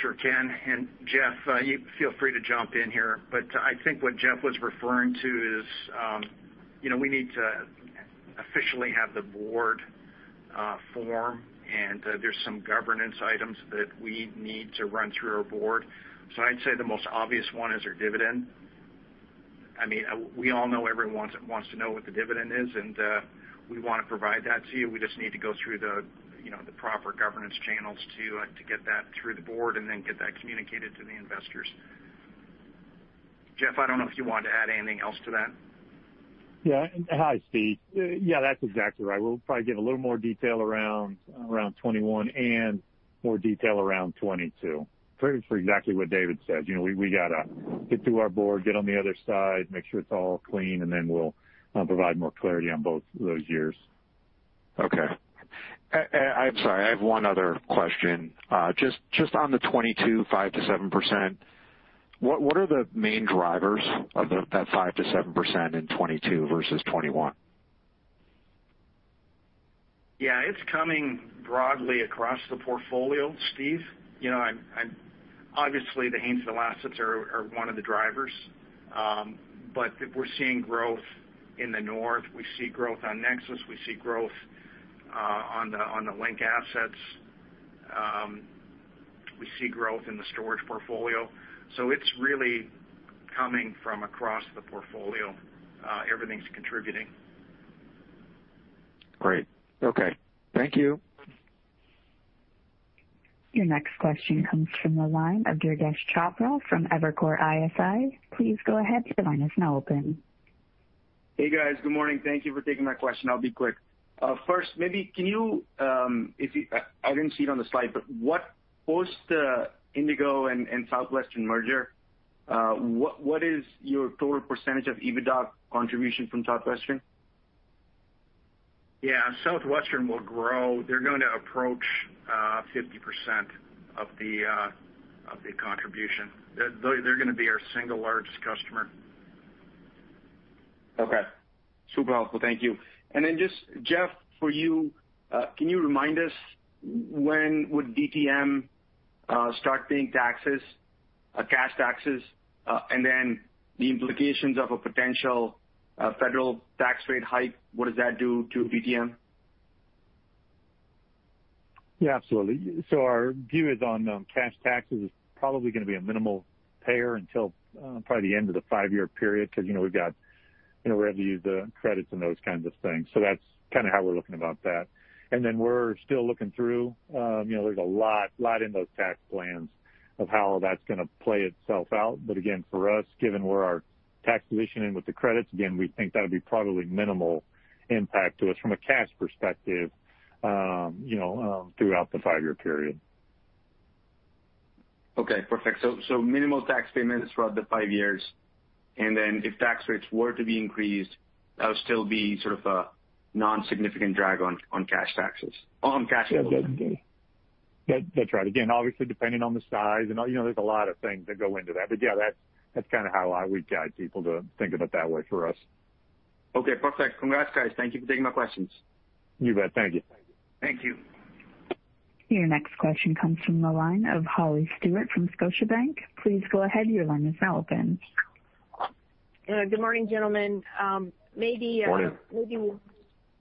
D: Sure can. Jeff, you feel free to jump in here, but I think what Jeff was referring to is, you know, we need to officially have the board form and there's some governance items that we need to run through our board. I'd say the most obvious one is our dividend. I mean, we all know everyone wants to know what the dividend is, we want to provide that to you. We just need to go through the, you know, the proper governance channels to get that through the board and then get that communicated to the investors. Jeff, I don't know if you want to add anything else to that.
E: Yeah. Hi, Steve. Yeah, that's exactly right. We'll probably give a little more detail around 21 and more detail around 22. For exactly what David said. You know, we gotta get through our board, get on the other side, make sure it's all clean, and then we'll provide more clarity on both those years.
L: Okay. I'm sorry, I have one other question. On the 2022, 5%-7%, what are the main drivers of that 5%-7% in 2022 versus 2021?
D: Yeah. It's coming broadly across the portfolio, Steve. You know, obviously, the Haynesville assets are one of the drivers. We're seeing growth in the north. We see growth on NEXUS. We see growth on the Link assets. We see growth in the storage portfolio. It's really coming from across the portfolio. Everything's contributing.
L: Great. Okay. Thank you.
A: Your next question comes from the line of Durgesh Chopra from Evercore ISI. Please go ahead, your line is now open.
M: Hey, guys. Good morning. Thank you for taking my question. I'll be quick. First, maybe can you, I didn't see it on the slide, but what post Indigo and Southwestern merger, what is your total percentage of EBITDA contribution from Southwestern?
D: Yeah, Southwestern will grow. They're going to approach 50% of the, of the contribution. They're gonna be our single largest customer.
M: Okay. Super helpful. Thank you. Just Jeff for you, can you remind us when would DTM start paying taxes, cash taxes? The implications of a potential federal tax rate hike, what does that do to DTM?
E: Yeah, absolutely. Our view is on cash taxes is probably gonna be a minimal payer until the end of the five-year period because we've got revenue, the credits and those kinds of things. That's kind of how we're looking about that. We're still looking through there's a lot in those tax plans of how that's gonna play itself out. Again, for us, given where our tax position and with the credits, again, we think that would be probably minimal impact to us from a cash perspective throughout the five-year period.
M: Okay. Perfect. Minimal tax payments throughout the 5 years. If tax rates were to be increased, that would still be sort of a non-significant drag on cash flow.
E: Yeah. That's right. Again, obviously, depending on the size and, you know, there's a lot of things that go into that. Yeah, that's kind of how I would guide people to think about that way for us.
M: Okay, perfect. Congrats, guys. Thank you for taking my questions.
E: You bet. Thank you.
D: Thank you.
A: Your next question comes from the line of Holly Stewart from Scotiabank. Please go ahead. Your line is now open.
N: Good morning, gentlemen.
D: Morning.
N: Maybe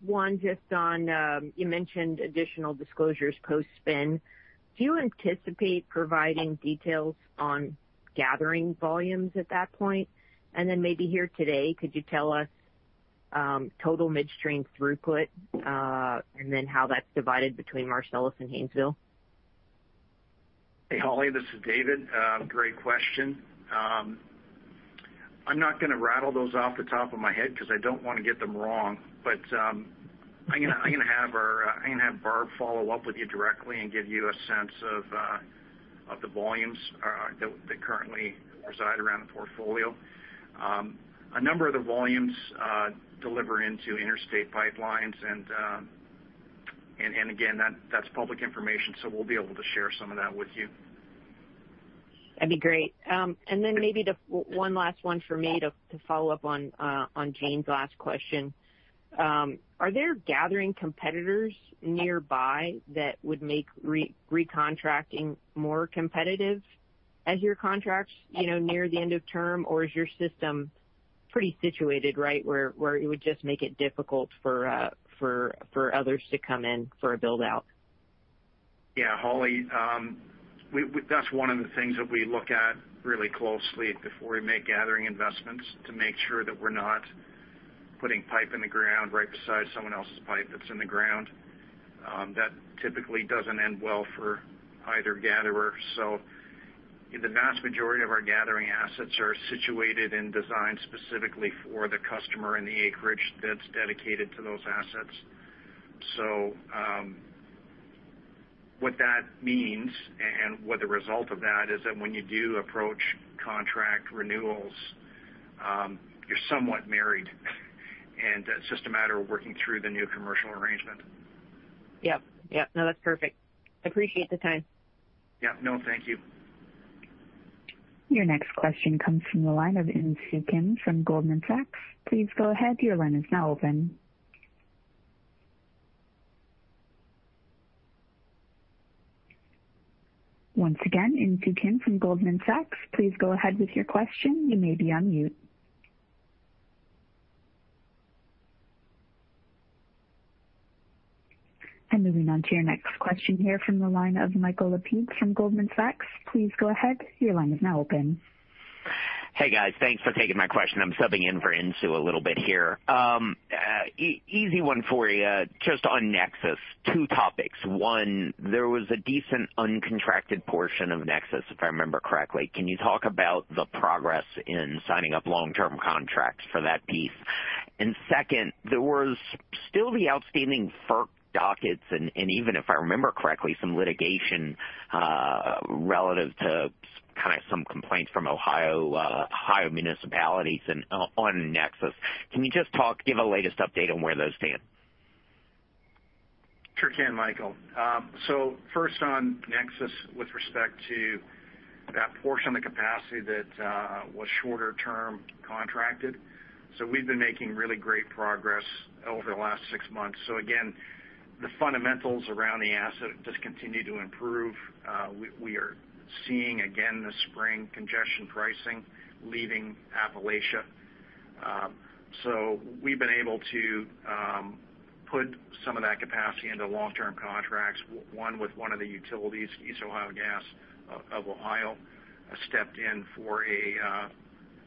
N: one just on, you mentioned additional disclosures post-spin. Do you anticipate providing details on gathering volumes at that point? Maybe here today, could you tell us total midstream throughput, and then how that's divided between Marcellus and Haynesville?
D: Hey, Holly, this is David. Great question. I'm not gonna rattle those off the top of my head 'cause I don't wanna get them wrong. I'm gonna have our, I'm gonna have Barbara follow up with you directly and give you a sense of the volumes that currently reside around the portfolio. A number of the volumes deliver into interstate pipelines. Again, that's public information, so we'll be able to share some of that with you.
N: That'd be great. Then maybe one last one for me to follow up on Jean's last question. Are there gathering competitors nearby that would make recontracting more competitive as your contracts, you know, near the end of term? Or is your system pretty situated, right, where it would just make it difficult for others to come in for a build-out?
D: Yeah, Holly. We that's one of the things that we look at really closely before we make gathering investments to make sure that we're not putting pipe in the ground right beside someone else's pipe that's in the ground. That typically doesn't end well for either gatherer. The vast majority of our gathering assets are situated and designed specifically for the customer and the acreage that's dedicated to those assets. What that means and what the result of that is that when you do approach contract renewals, you're somewhat married and it's just a matter of working through the new commercial arrangement.
N: Yep. Yep. No, that's perfect. I appreciate the time.
D: Yeah. No, thank you.
A: Your next question comes from the line of Insoo Kim from Goldman Sachs. Once again, Insoo Kim from Goldman Sachs. Please go ahead with your question, you may be on mute. Moving on to the next question here from the line of Michael Lapides from Goldman Sachs. Please go ahead, your line is now open.
O: Hey, guys. Thanks for taking my question. I'm subbing in for Insoo a little bit here. Easy one for you, just on NEXUS, two topics. One, there was a decent uncontracted portion of NEXUS, if I remember correctly. Can you talk about the progress in signing up long-term contracts for that piece? Two, there was still the outstanding FERC dockets, and even if I remember correctly, some litigation relative to kind of some complaints from Ohio municipalities and on NEXUS. Can you just give a latest update on where those stand?
D: Sure can, Michael. First on NEXUS with respect to that portion of the capacity that was shorter-term contracted. We've been making really great progress over the last six months. Again, the fundamentals around the asset just continue to improve. We are seeing again this spring congestion pricing leaving Appalachia. We've been able to put some of that capacity into long-term contracts, one with one of the utilities, East Ohio Gas of Ohio, stepped in for a,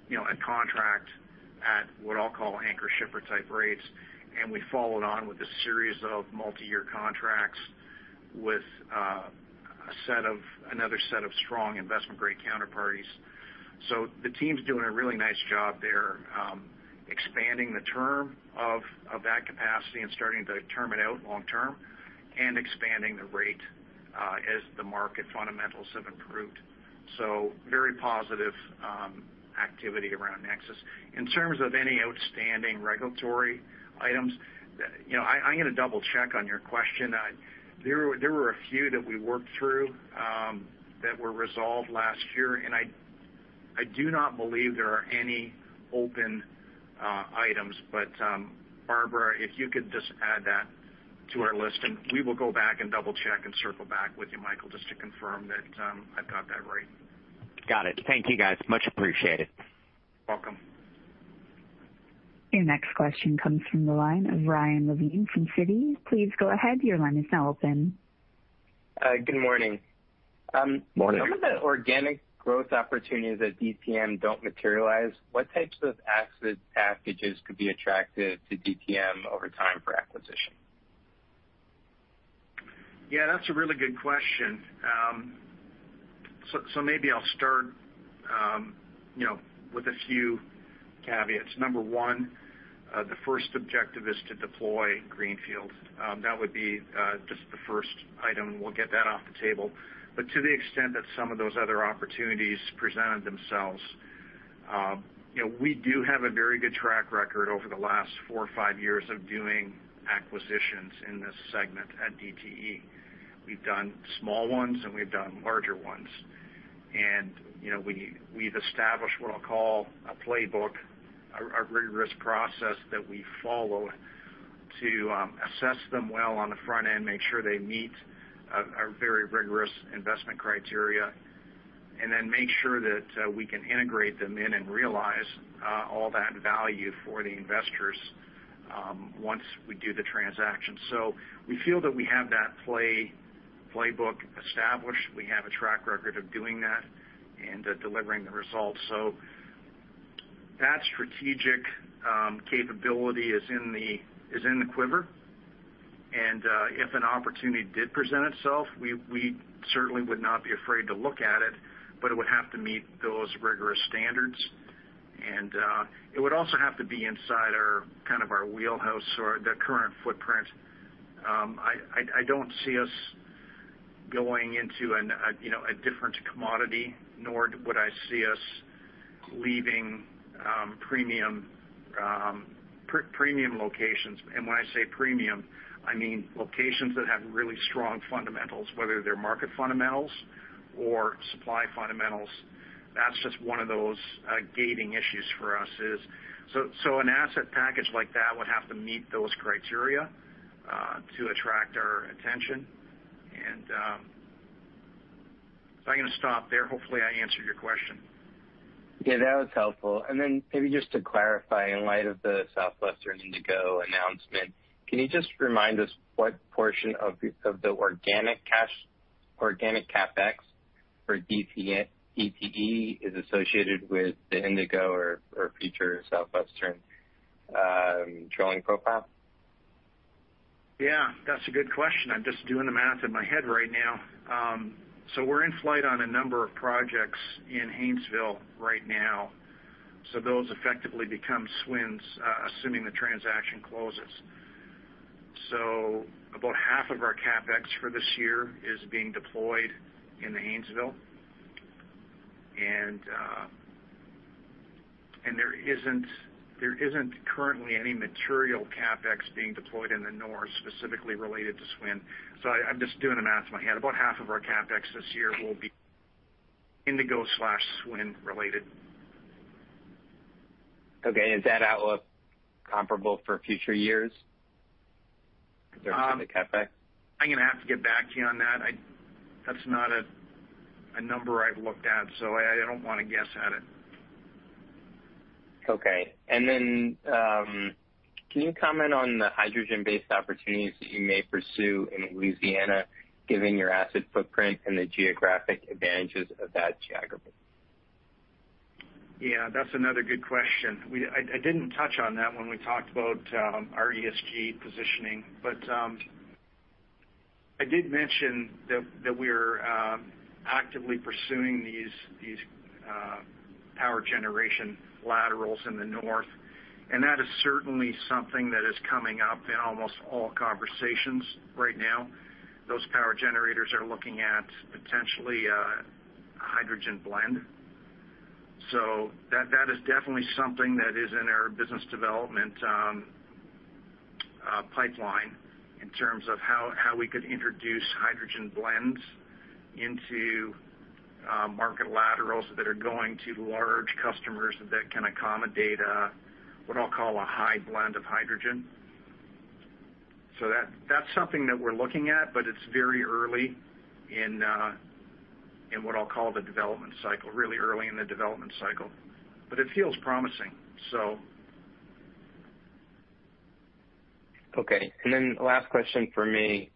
D: you know, a contract at what I'll call anchor shipper-type rates. We followed on with a series of multi-year contracts with another set of strong investment-grade counterparties. The team's doing a really nice job there, expanding the term of that capacity and starting to term it out long term and expanding the rate as the market fundamentals have improved. Very positive activity around NEXUS. In terms of any outstanding regulatory items, you know, I'm gonna double-check on your question. There were a few that we worked through that were resolved last year, and I do not believe there are any open items. Barbara, if you could just add that to our list, and we will go back and double-check and circle back with you, Michael, just to confirm that I've got that right.
O: Got it. Thank you, guys. Much appreciated.
D: Welcome.
A: Your next question comes from the line of Ryan Levine from Citi. Please go ahead. Your line is now open.
P: Good morning.
D: Morning.
P: Some of the organic growth opportunities at DTM don't materialize. What types of asset packages could be attractive to DTM over time for acquisition?
D: Yeah, that's a really good question. Maybe I'll start, you know, with a few caveats. Number one, the first objective is to deploy greenfield. That would be just the first item. We'll get that off the table. To the extent that some of those other opportunities presented themselves, you know, we do have a very good track record over the last four or five years of doing acquisitions in this segment at DTE. We've done small ones, and we've done larger ones. You know, we've established what I'll call a playbook, a rigorous process that we follow to assess them well on the front end, make sure they meet a very rigorous investment criteria, and then make sure that we can integrate them in and realize all that value for the investors once we do the transaction. We feel that we have that playbook established. We have a track record of doing that and delivering the results. That strategic capability is in the quiver. If an opportunity did present itself, we certainly would not be afraid to look at it, but it would have to meet those rigorous standards. It would also have to be inside our kind of our wheelhouse or the current footprint. I don't see us going into an, you know, a different commodity, nor would I see us leaving, premium locations. When I say premium, I mean locations that have really strong fundamentals, whether they're market fundamentals or supply fundamentals. That's just one of those, gating issues for us is. An asset package like that would have to meet those criteria, to attract our attention. I'm gonna stop there. Hopefully, I answered your question.
P: Yeah, that was helpful. Maybe just to clarify, in light of the Southwestern Indigo announcement, can you just remind us what portion of the organic CapEx for DTE is associated with the Indigo or future Southwestern drilling profile?
D: Yeah, that's a good question. I'm just doing the math in my head right now. We're in flight on a number of projects in Haynesville right now. Those effectively become SWN's, assuming the transaction closes. About half of our CapEx for this year is being deployed in the Haynesville. There isn't currently any material CapEx being deployed in the north specifically related to SWN. I'm just doing the math in my head. About half of our CapEx this year will be Indigo/SWN related.
P: Okay. Is that outlook comparable for future years in terms of the CapEx?
D: I'm gonna have to get back to you on that. That's not a number I've looked at, so I don't wanna guess at it.
P: Okay. Can you comment on the hydrogen-based opportunities that you may pursue in Louisiana, given your asset footprint and the geographic advantages of that geography?
D: Yeah, that's another good question. I didn't touch on that when we talked about our ESG positioning, but I did mention that we're actively pursuing these power generation laterals in the north, and that is certainly something that is coming up in almost all conversations right now. Those power generators are looking at potentially a hydrogen blend. That is definitely something that is in our business development pipeline in terms of how we could introduce hydrogen blends into. Market laterals that are going to large customers that can accommodate, what I'll call a high blend of hydrogen. That's something that we're looking at, but it's very early in what I'll call the development cycle. Really early in the development cycle. It feels promising.
P: Okay. Last question from me.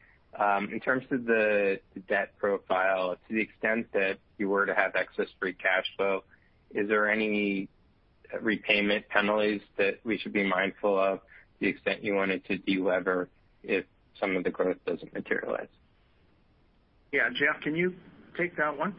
P: In terms of the debt profile, to the extent that you were to have excess free cash flow, is there any repayment penalties that we should be mindful of to the extent you wanted to delever if some of the growth doesn't materialize?
D: Yeah. Jeff, can you take that one?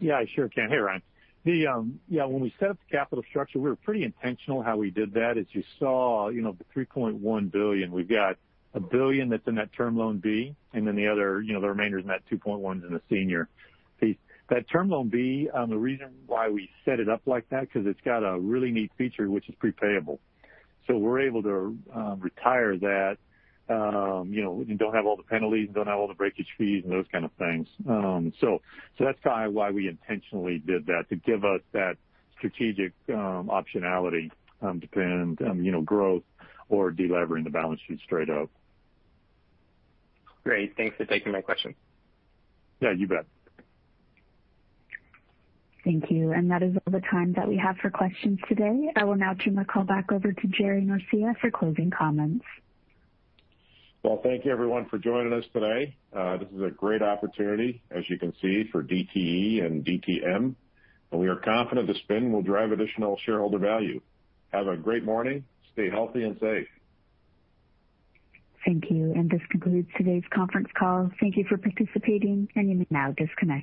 E: Yeah, I sure can. Hey, Ryan. Yeah, when we set up the capital structure, we were pretty intentional how we did that. As you saw, you know, the $3.1 billion, we've got $1 billion that's in that term loan B, and then the other, you know, the remainder of that $2.1 billion is in the senior piece. That term loan B, the reason why we set it up like that, 'cause it's got a really neat feature which is pre-payable. We're able to retire that, you know, we don't have all the penalties, don't have all the breakage fees and those kind of things. That's kind of why we intentionally did that to give us that strategic optionality to spend, you know, growth or delevering the balance sheet straight up.
P: Great. Thanks for taking my question.
E: Yeah, you bet.
A: Thank you. That is all the time that we have for questions today. I will now turn the call back over to Gerardo Norcia for closing comments.
C: Well, thank you everyone for joining us today. This is a great opportunity as you can see for DTE and DTM, and we are confident the spin will drive additional shareholder value. Have a great morning. Stay healthy and safe.
A: Thank you. This concludes today's conference call. Thank you for participating, and you may now disconnect.